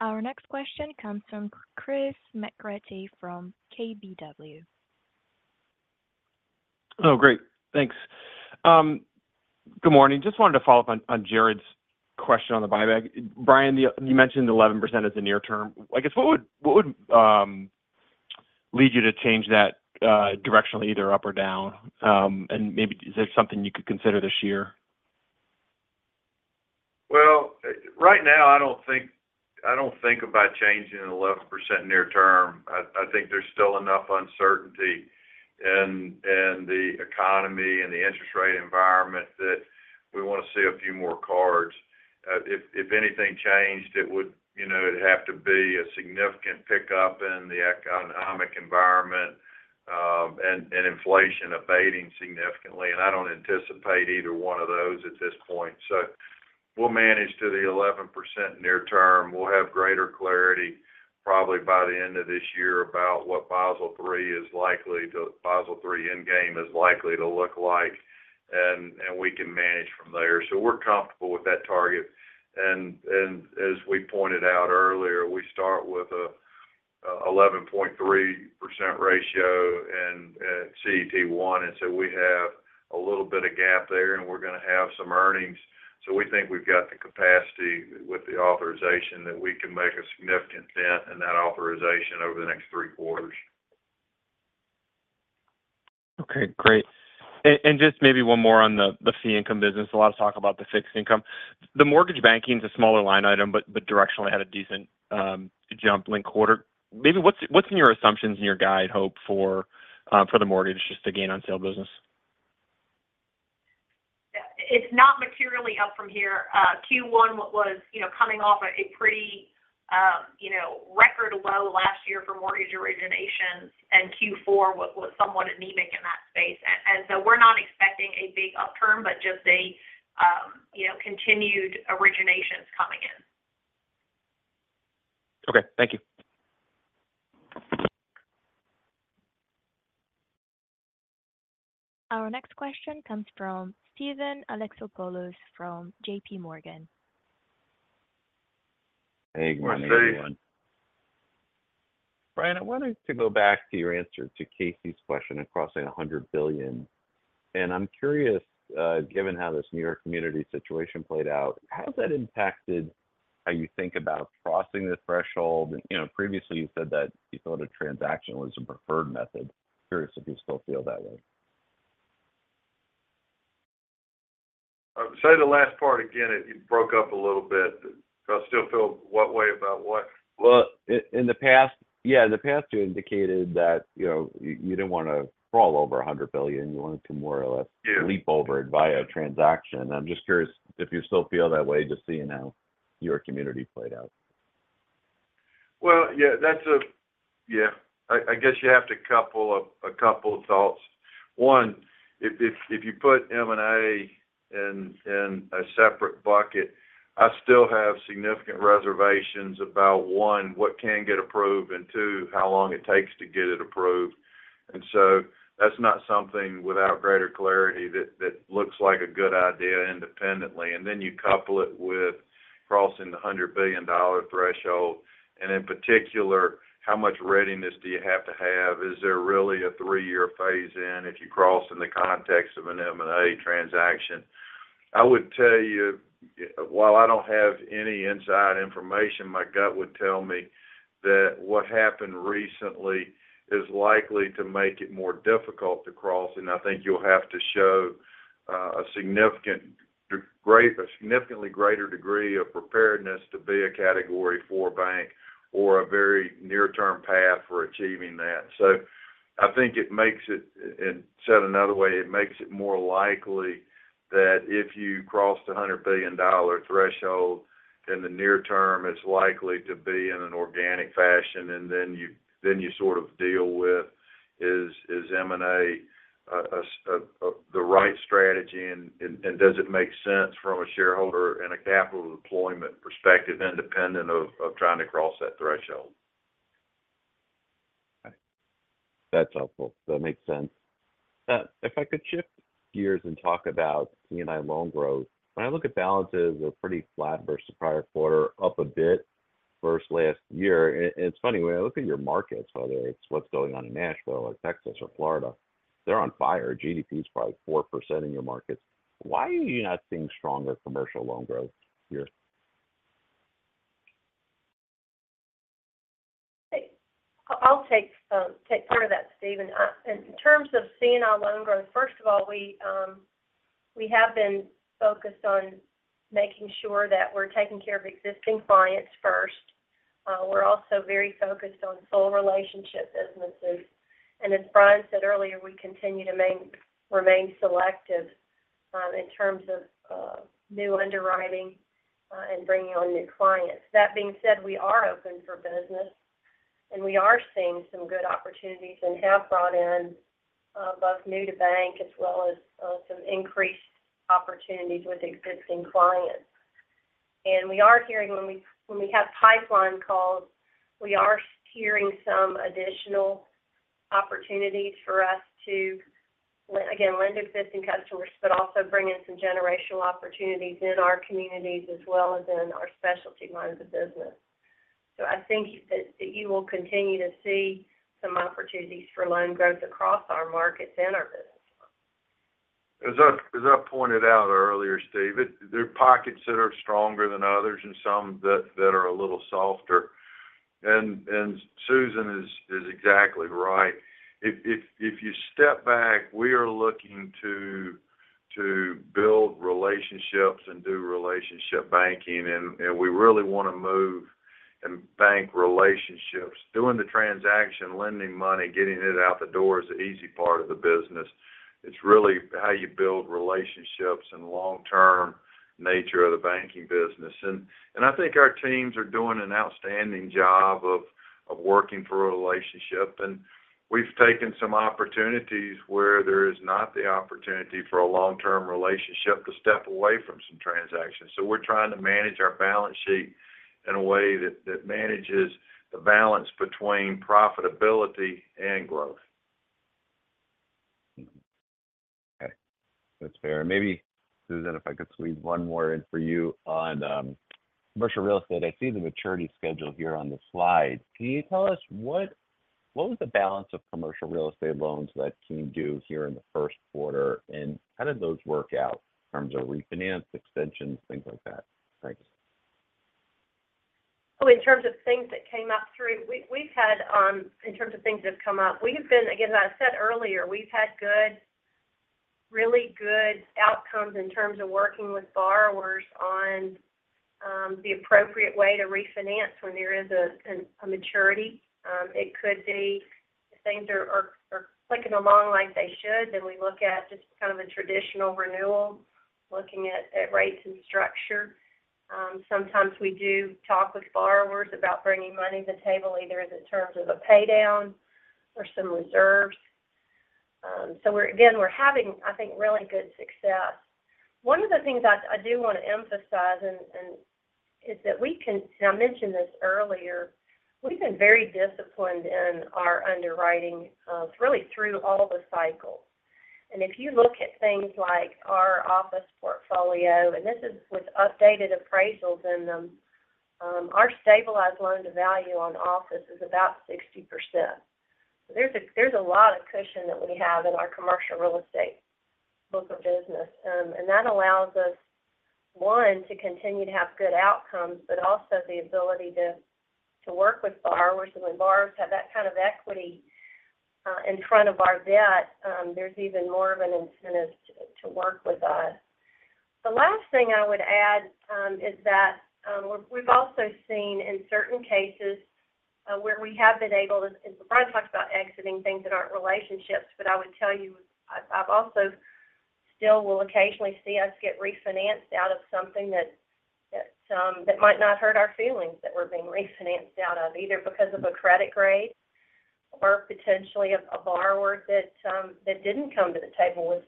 Speaker 1: Our next question comes from Christopher McGratty from KBW.
Speaker 11: Oh, great. Thanks. Good morning. Just wanted to follow up on Jared's question on the buyback. Bryan, you mentioned 11% as a near term. I guess what would lead you to change that directionally, either up or down? And maybe is there something you could consider this year?
Speaker 3: Well, right now, I don't think about changing 11% near term. I think there's still enough uncertainty in the economy and the interest rate environment that we want to see a few more cards. If anything changed, it would have to be a significant pickup in the economic environment and inflation abating significantly. I don't anticipate either one of those at this point. So we'll manage to the 11% near term. We'll have greater clarity probably by the end of this year about what Basel III Endgame is likely to look like, and we can manage from there. So we're comfortable with that target. And as we pointed out earlier, we start with a 11.3% ratio in CET1. And so we have a little bit of gap there, and we're going to have some earnings. We think we've got the capacity with the authorization that we can make a significant dent in that authorization over the next three quarters.
Speaker 11: Okay. Great. And just maybe one more on the fee income business. A lot of talk about the fixed income. The mortgage banking's a smaller line item, but directionally had a decent jump last quarter. Maybe what's in your assumptions in your guide, Hope, for the mortgage, just the gain on sale business?
Speaker 4: Yeah. It's not materially up from here. Q1 was coming off a pretty record low last year for mortgage originations, and Q4 was somewhat anemic in that space. So we're not expecting a big upturn, but just continued originations coming in.
Speaker 11: Okay. Thank you.
Speaker 1: Our next question comes from Steven Alexopoulos from JPMorgan.
Speaker 12: Hey, good morning.
Speaker 3: Hi, Steve.
Speaker 12: Bryan, I wanted to go back to your answer to Casey's question of crossing $100 billion. I'm curious, given how this New York Community situation played out, how has that impacted how you think about crossing this threshold? Previously, you said that you thought a transaction was a preferred method. Curious if you still feel that way?
Speaker 3: Say the last part again. It broke up a little bit. I still feel what way about what?
Speaker 12: Well, yeah. In the past, you indicated that you didn't want to crawl over 100 billion. You wanted to more or less leap over it via a transaction. I'm just curious if you still feel that way just seeing how New York Community played out?
Speaker 3: Well, yeah. Yeah. I guess you have to couple a couple of thoughts. One, if you put M&A in a separate bucket, I still have significant reservations about, one, what can get approved and, two, how long it takes to get it approved. And so that's not something without greater clarity that looks like a good idea independently. And then you couple it with crossing the $100 billion threshold. And in particular, how much readiness do you have to have? Is there really a three-year phase-in if you cross in the context of an M&A transaction? I would tell you, while I don't have any inside information, my gut would tell me that what happened recently is likely to make it more difficult to cross. I think you'll have to show a significantly greater degree of preparedness to be a Category IV bank or a very near-term path for achieving that. I think it makes it and said another way, it makes it more likely that if you crossed the $100 billion threshold, then the near term is likely to be in an organic fashion. Then you sort of deal with is M&A the right strategy, and does it make sense from a shareholder and a capital deployment perspective independent of trying to cross that threshold?
Speaker 12: That's helpful. That makes sense. If I could shift gears and talk about C&I loan growth, when I look at balances, they're pretty flat versus prior quarter, up a bit versus last year. And it's funny, when I look at your markets, whether it's what's going on in Nashville or Texas or Florida, they're on fire. GDP is probably 4% in your markets. Why are you not seeing stronger commercial loan growth here?
Speaker 7: I'll take part of that, Steven. In terms of C&I loan growth, first of all, we have been focused on making sure that we're taking care of existing clients first. We're also very focused on full relationship businesses. As Bryan said earlier, we continue to remain selective in terms of new underwriting and bringing on new clients. That being said, we are open for business, and we are seeing some good opportunities and have brought in both new-to-bank as well as some increased opportunities with existing clients. We are hearing when we have pipeline calls, we are hearing some additional opportunities for us to, again, lend existing customers but also bring in some generational opportunities in our communities as well as in our specialty lines of business. I think that you will continue to see some opportunities for loan growth across our markets and our business lines.
Speaker 3: As I pointed out earlier, Steve, there are pockets that are stronger than others and some that are a little softer. Susan is exactly right. If you step back, we are looking to build relationships and do relationship banking, and we really want to move and bank relationships. Doing the transaction, lending money, getting it out the door is the easy part of the business. It's really how you build relationships and long-term nature of the banking business. I think our teams are doing an outstanding job of working for a relationship. We've taken some opportunities where there is not the opportunity for a long-term relationship to step away from some transactions. We're trying to manage our balance sheet in a way that manages the balance between profitability and growth.
Speaker 12: Okay. That's fair. And maybe, Susan, if I could squeeze one more in for you on commercial real estate, I see the maturity schedule here on the slide. Can you tell us what was the balance of commercial real estate loans that came due here in the first quarter, and how did those work out in terms of refinance, extensions, things like that? Thanks.
Speaker 7: Oh, in terms of things that have come up, we have been again, as I said earlier, we've had really good outcomes in terms of working with borrowers on the appropriate way to refinance when there is a maturity. It could be if things are clicking along like they should, then we look at just kind of a traditional renewal, looking at rates and structure. Sometimes we do talk with borrowers about bringing money to the table either as a terms of a paydown or some reserves. So again, we're having, I think, really good success. One of the things I do want to emphasize is that we can and I mentioned this earlier. We've been very disciplined in our underwriting really through all the cycles. If you look at things like our office portfolio - and this is with updated appraisals in them - our stabilized loan to value on office is about 60%. So there's a lot of cushion that we have in our commercial real estate book of business. And that allows us, one, to continue to have good outcomes but also the ability to work with borrowers. And when borrowers have that kind of equity in front of our debt, there's even more of an incentive to work with us. The last thing I would add is that we've also seen in certain cases where we have been able to. Bryan talked about exiting things that aren't relationships, but I would tell you I've also still will occasionally see us get refinanced out of something that might not hurt our feelings that we're being refinanced out of either because of a credit grade or potentially a borrower that didn't come to the table with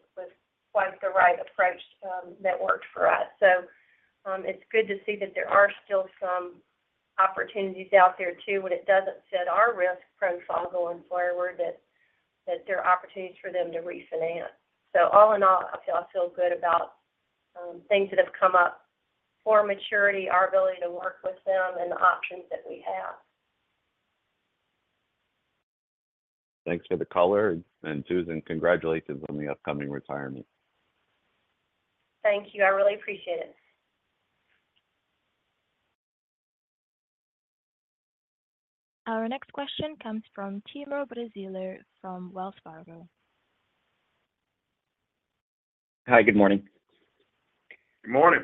Speaker 7: quite the right approach that worked for us. So it's good to see that there are still some opportunities out there too. When it doesn't set our risk profile going forward, that there are opportunities for them to refinance. So all in all, I feel good about things that have come up for maturity, our ability to work with them, and the options that we have.
Speaker 12: Thanks for the caller. Susan, congratulations on the upcoming retirement.
Speaker 7: Thank you. I really appreciate it.
Speaker 1: Our next question comes from Timur Braziler from Wells Fargo.
Speaker 13: Hi. Good morning.
Speaker 3: Good morning.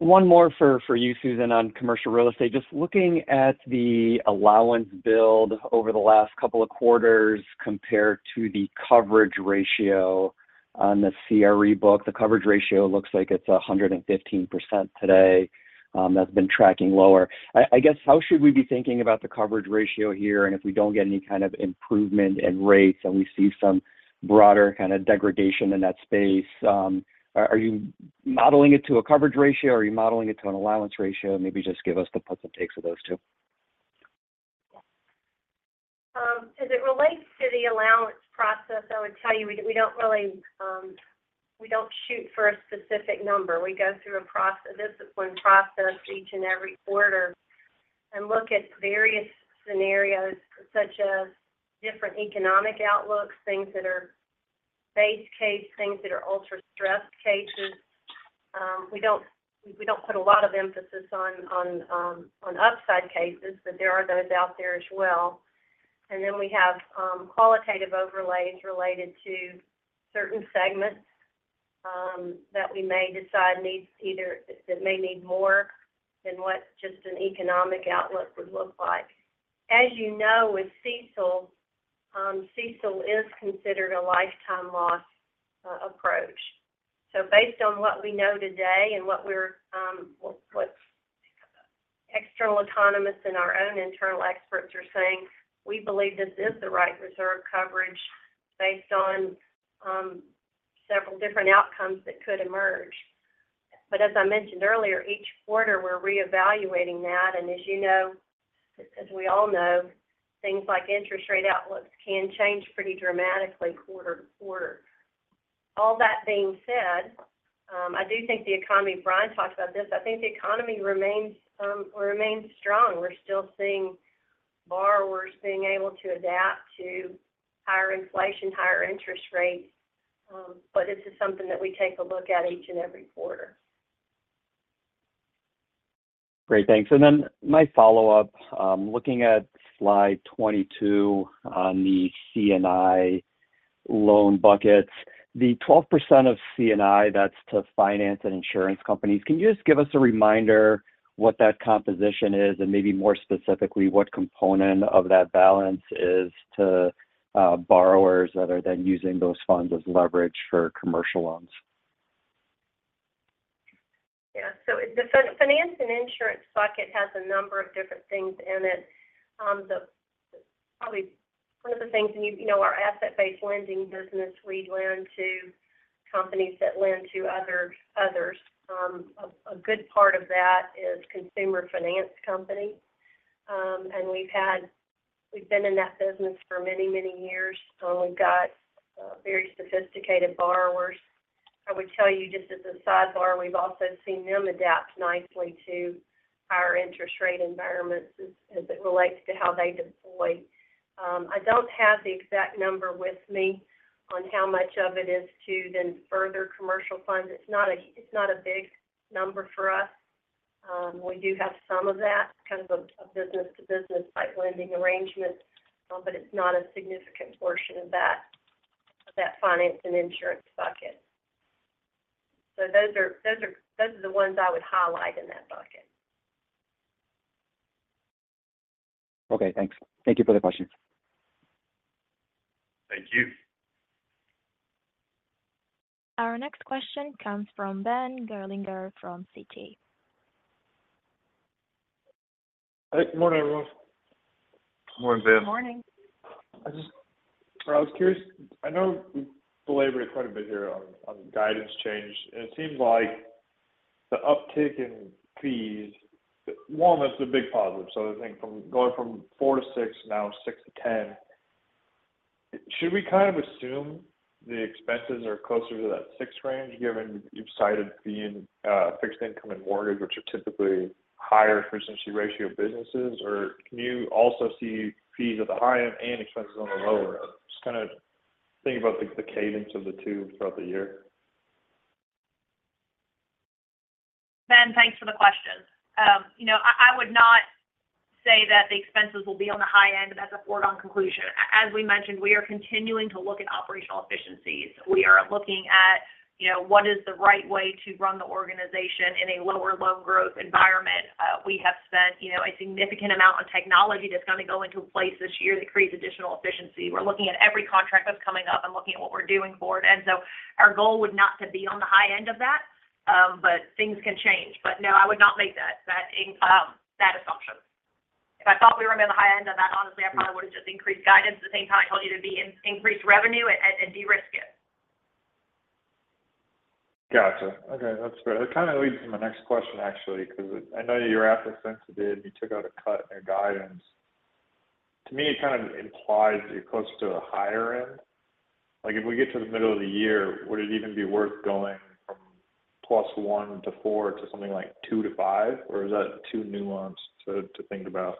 Speaker 13: One more for you, Susan, on commercial real estate. Just looking at the allowance build over the last couple of quarters compared to the coverage ratio on the CRE book, the coverage ratio looks like it's 115% today. That's been tracking lower. I guess how should we be thinking about the coverage ratio here? And if we don't get any kind of improvement in rates and we see some broader kind of degradation in that space, are you modeling it to a coverage ratio, or are you modeling it to an allowance ratio? Maybe just give us the puts and takes of those two.
Speaker 7: As it relates to the allowance process, I would tell you we don't really shoot for a specific number. We go through a disciplined process each and every quarter and look at various scenarios such as different economic outlooks, things that are base case, things that are ultra-stressed cases. We don't put a lot of emphasis on upside cases, but there are those out there as well. And then we have qualitative overlays related to certain segments that we may decide may need more than what just an economic outlook would look like. As you know, with CECL, CECL is considered a lifetime loss approach. So based on what we know today and what external economists and our own internal experts are saying, we believe this is the right reserve coverage based on several different outcomes that could emerge. But as I mentioned earlier, each quarter, we're reevaluating that. As we all know, things like interest rate outlooks can change pretty dramatically quarter to quarter. All that being said, I do think the economy. Bryan talked about this. I think the economy remains strong. We're still seeing borrowers being able to adapt to higher inflation, higher interest rates. But this is something that we take a look at each and every quarter.
Speaker 13: Great. Thanks. And then my follow-up, looking at slide 22 on the C&I loan buckets, the 12% of C&I, that's to Finance and Insurance companies. Can you just give us a reminder what that composition is and maybe more specifically what component of that balance is to borrowers other than using those funds as leverage for commercial loans?
Speaker 7: Yeah. So the Finance and Insurance bucket has a number of different things in it. Probably one of the things and our asset-based lending business, we lend to companies that lend to others. A good part of that is consumer finance companies. And we've been in that business for many, many years. We've got very sophisticated borrowers. I would tell you just as a sidebar, we've also seen them adapt nicely to higher interest rate environments as it relates to how they deploy. I don't have the exact number with me on how much of it is to then further commercial funds. It's not a big number for us. We do have some of that, kind of a business-to-business type lending arrangement, but it's not a significant portion of that Finance and Insurance bucket. So those are the ones I would highlight in that bucket.
Speaker 13: Okay. Thanks. Thank you for the questions.
Speaker 3: Thank you.
Speaker 1: Our next question comes from Ben Gerlinger from Citi.
Speaker 14: Good morning, everyone.
Speaker 3: Morning, Ben.
Speaker 7: Good morning.
Speaker 14: I was curious. I know we've belabored it quite a bit here on guidance change. It seems like the uptick in fees, one, that's a big positive. I think going from 4 to 6, now 6 to 10, should we kind of assume the expenses are closer to that 6 range given you've cited fixed income and mortgage, which are typically higher for efficiency ratio businesses? Or can you also see fees at the high end and expenses on the lower end? Just kind of think about the cadence of the two throughout the year.
Speaker 7: Ben, thanks for the question. I would not say that the expenses will be on the high end. That's a foregone conclusion. As we mentioned, we are continuing to look at operational efficiencies. We are looking at what is the right way to run the organization in a lower loan growth environment. We have spent a significant amount on technology that's going to go into a place this year that creates additional efficiency. We're looking at every contract that's coming up and looking at what we're doing for it. And so our goal would not be on the high end of that, but things can change. But no, I would not make that assumption. If I thought we were going to be on the high end of that, honestly, I probably would have just increased guidance at the same time I told you to increase revenue and de-risk it.
Speaker 14: Gotcha. Okay. That's fair. That kind of leads to my next question, actually, because I know you were at this since you did, and you took out a cut in your guidance. To me, it kind of implies you're closer to the higher end. If we get to the middle of the year, would it even be worth going from plus 1 to 4 to something like 2 to 5? Or is that too nuanced to think about?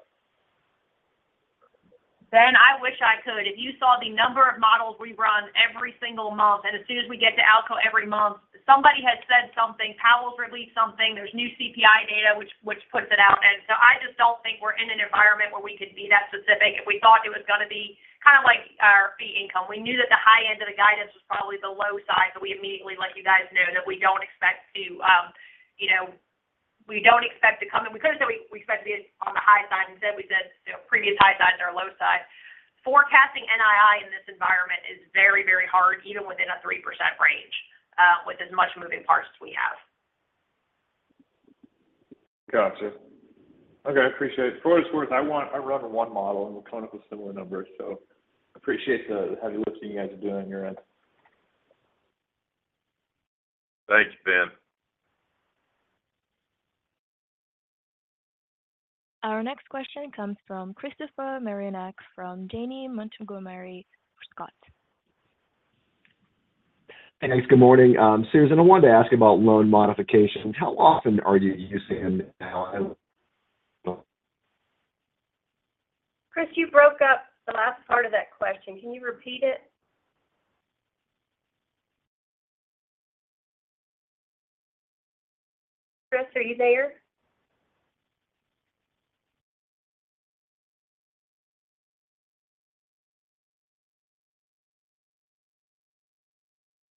Speaker 4: Ben, I wish I could. If you saw the number of models we run every single month and as soon as we get to ALCO every month, somebody has said something. Powell's released something. There's new CPI data which puts it out. And so I just don't think we're in an environment where we could be that specific. If we thought it was going to be kind of like our fee income, we knew that the high end of the guidance was probably the low side, but we immediately let you guys know that we don't expect to we don't expect to come in. We could have said we expect to be on the high side instead. We said previous high sides are low sides. Forecasting NII in this environment is very, very hard, even within a 3% range with as much moving parts as we have.
Speaker 14: Gotcha. Okay. I appreciate it. For what it's worth, I run one model, and we'll come up with similar numbers. So I appreciate the heavy lifting you guys are doing on your end.
Speaker 3: Thank you, Ben.
Speaker 1: Our next question comes from Christopher Marinac from Janney Montgomery Scott.
Speaker 15: Hey, thanks. Good morning, Susan. I wanted to ask about loan modifications. How often are you using them now?
Speaker 7: Chris, you broke up the last part of that question. Can you repeat it? Chris, are you there?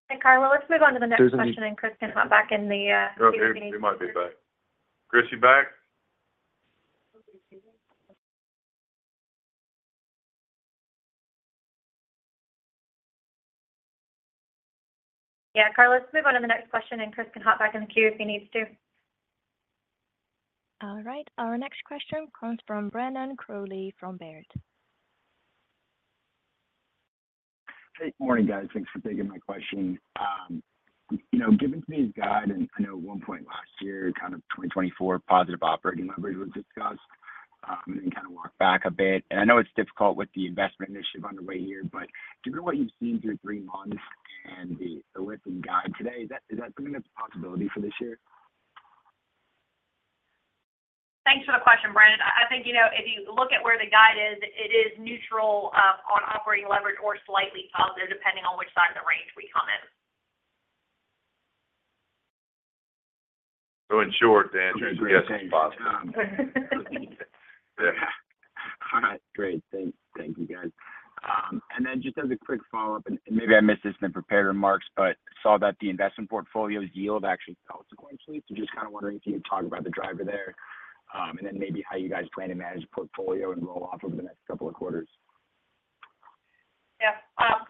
Speaker 7: Hey, Carla. Let's move on to the next question, and Chris can hop back in the queue if he needs to.
Speaker 2: Oh, he is. He might be back. Chris, you back?
Speaker 7: Yeah. Carla, let's move on to the next question, and Chris can hop back in the queue if he needs to.
Speaker 1: All right. Our next question comes from Brandon Crowley from Baird.
Speaker 16: Hey. Good morning, guys. Thanks for taking my question. Given today's guide, and I know at one point last year, kind of 2024, positive operating leverage was discussed, and then kind of walked back a bit. I know it's difficult with the investment initiative underway here, but given what you've seen through three months and the updates in guide today, is that something that's a possibility for this year?
Speaker 7: Thanks for the question, Brandon. I think if you look at where the guide is, it is neutral on operating leverage or slightly positive depending on which side of the range we come in.
Speaker 16: So in short, then, yes, it's positive. All right. Great. Thank you, guys. And then just as a quick follow-up, and maybe I missed this in the prepared remarks, but I saw that the investment portfolio's yield actually increased sequentially. So just kind of wondering if you could talk about the driver there and then maybe how you guys plan to manage the portfolio and roll off over the next couple of quarters?
Speaker 7: Yeah.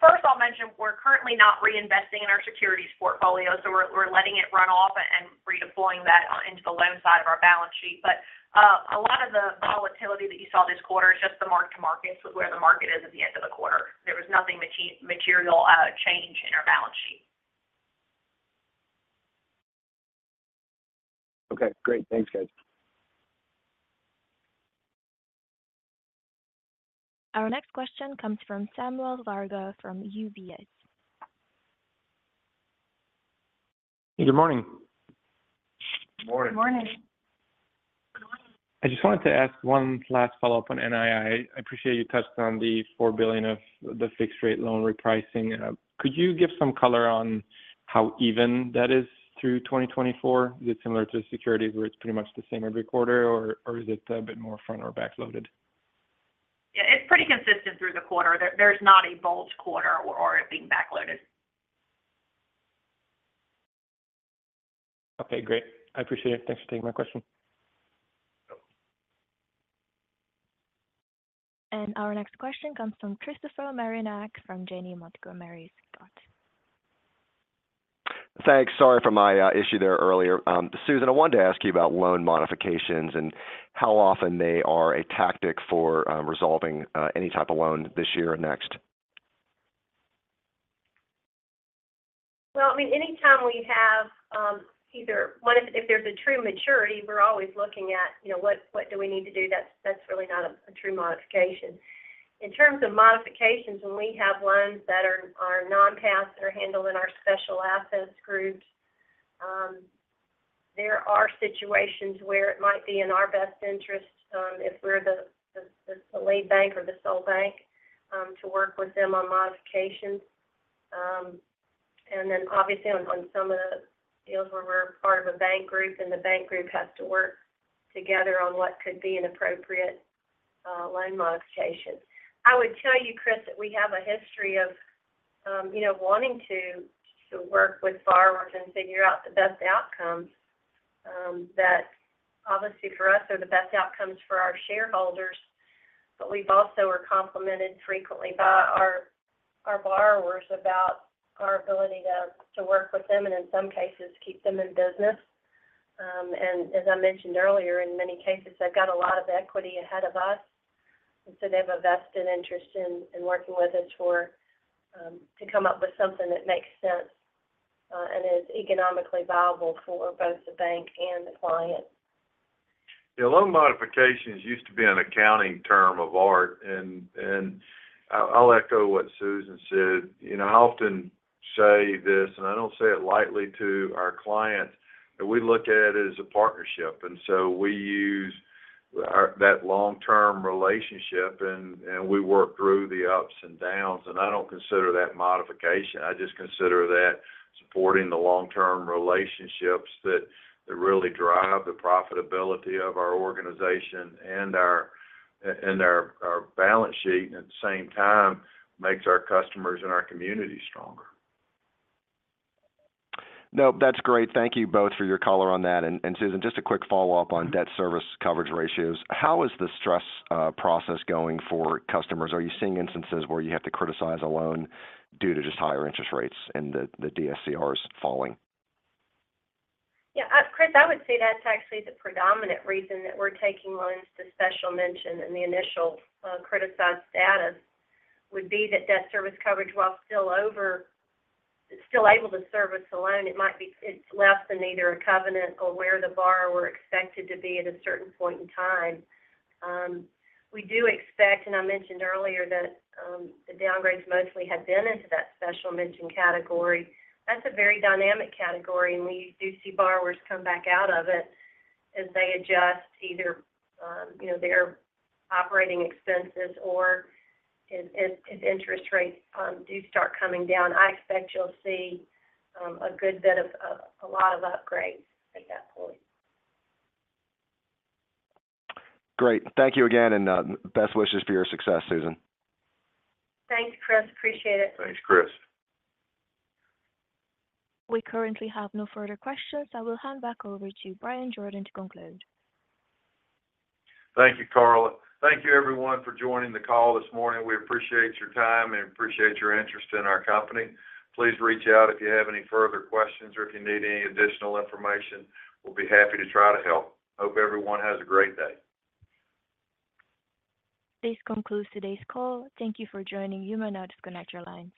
Speaker 7: First, I'll mention we're currently not reinvesting in our securities portfolio. So we're letting it run off and redeploying that into the loan side of our balance sheet. But a lot of the volatility that you saw this quarter is just the mark-to-markets with where the market is at the end of the quarter. There was nothing material change in our balance sheet.
Speaker 16: Okay. Great. Thanks, guys.
Speaker 1: Our next question comes from Samuel Varga from UBS.
Speaker 17: Hey. Good morning.
Speaker 3: Good morning.
Speaker 2: Good morning.
Speaker 7: Good morning.
Speaker 17: I just wanted to ask one last follow-up on NII. I appreciate you touched on the $4 billion of the fixed-rate loan repricing. Could you give some color on how even that is through 2024? Is it similar to the securities where it's pretty much the same every quarter, or is it a bit more front or backloaded?
Speaker 7: Yeah. It's pretty consistent through the quarter. There's not a bulge quarter or it being backloaded.
Speaker 17: Okay. Great. I appreciate it. Thanks for taking my question.
Speaker 1: Our next question comes from Christopher Marinac from Janney Montgomery Scott.
Speaker 15: Thanks. Sorry for my issue there earlier. Susan, I wanted to ask you about loan modifications and how often they are a tactic for resolving any type of loan this year or next.
Speaker 7: Well, I mean, anytime we have either one, if there's a true maturity, we're always looking at what do we need to do. That's really not a true modification. In terms of modifications, when we have loans that are non-passed that are handled in our Special Assets Group, there are situations where it might be in our best interest if we're the lead bank or the sole bank to work with them on modifications. And then obviously, on some of the deals where we're part of a bank group, then the bank group has to work together on what could be an appropriate loan modification. I would tell you, Chris, that we have a history of wanting to work with borrowers and figure out the best outcomes that obviously, for us, are the best outcomes for our shareholders. But we also are complimented frequently by our borrowers about our ability to work with them and in some cases, keep them in business. And as I mentioned earlier, in many cases, they've got a lot of equity ahead of us. And so they have a vested interest in working with us to come up with something that makes sense and is economically viable for both the bank and the client.
Speaker 3: Yeah. Loan modifications used to be an accounting term of art. I'll echo what Susan said. I often say this, and I don't say it lightly to our clients, that we look at it as a partnership. We use that long-term relationship, and we work through the ups and downs. I don't consider that modification. I just consider that supporting the long-term relationships that really drive the profitability of our organization and our balance sheet and at the same time makes our customers and our community stronger.
Speaker 15: No, that's great. Thank you both for your color on that. Susan, just a quick follow-up on debt service coverage ratios. How is the stress process going for customers? Are you seeing instances where you have to criticize a loan due to just higher interest rates and the DSCRs falling?
Speaker 7: Yeah. Chris, I would say that's actually the predominant reason that we're taking loans to Special Mention in the initial criticized status would be that debt service coverage, while still able to service the loan, it's less than either a covenant or where the borrower expected to be at a certain point in time. We do expect, and I mentioned earlier, that the downgrades mostly have been into that Special Mention category. That's a very dynamic category, and we do see borrowers come back out of it as they adjust either their operating expenses or if interest rates do start coming down. I expect you'll see a good bit of a lot of upgrades at that point.
Speaker 15: Great. Thank you again, and best wishes for your success, Susan.
Speaker 7: Thanks, Chris. Appreciate it.
Speaker 3: Thanks, Chris.
Speaker 1: We currently have no further questions. I will hand back over to Bryan Jordan to conclude.
Speaker 3: Thank you, Carla. Thank you, everyone, for joining the call this morning. We appreciate your time and appreciate your interest in our company. Please reach out if you have any further questions or if you need any additional information. We'll be happy to try to help. Hope everyone has a great day.
Speaker 1: This concludes today's call. Thank you for joining. You may now disconnect your lines.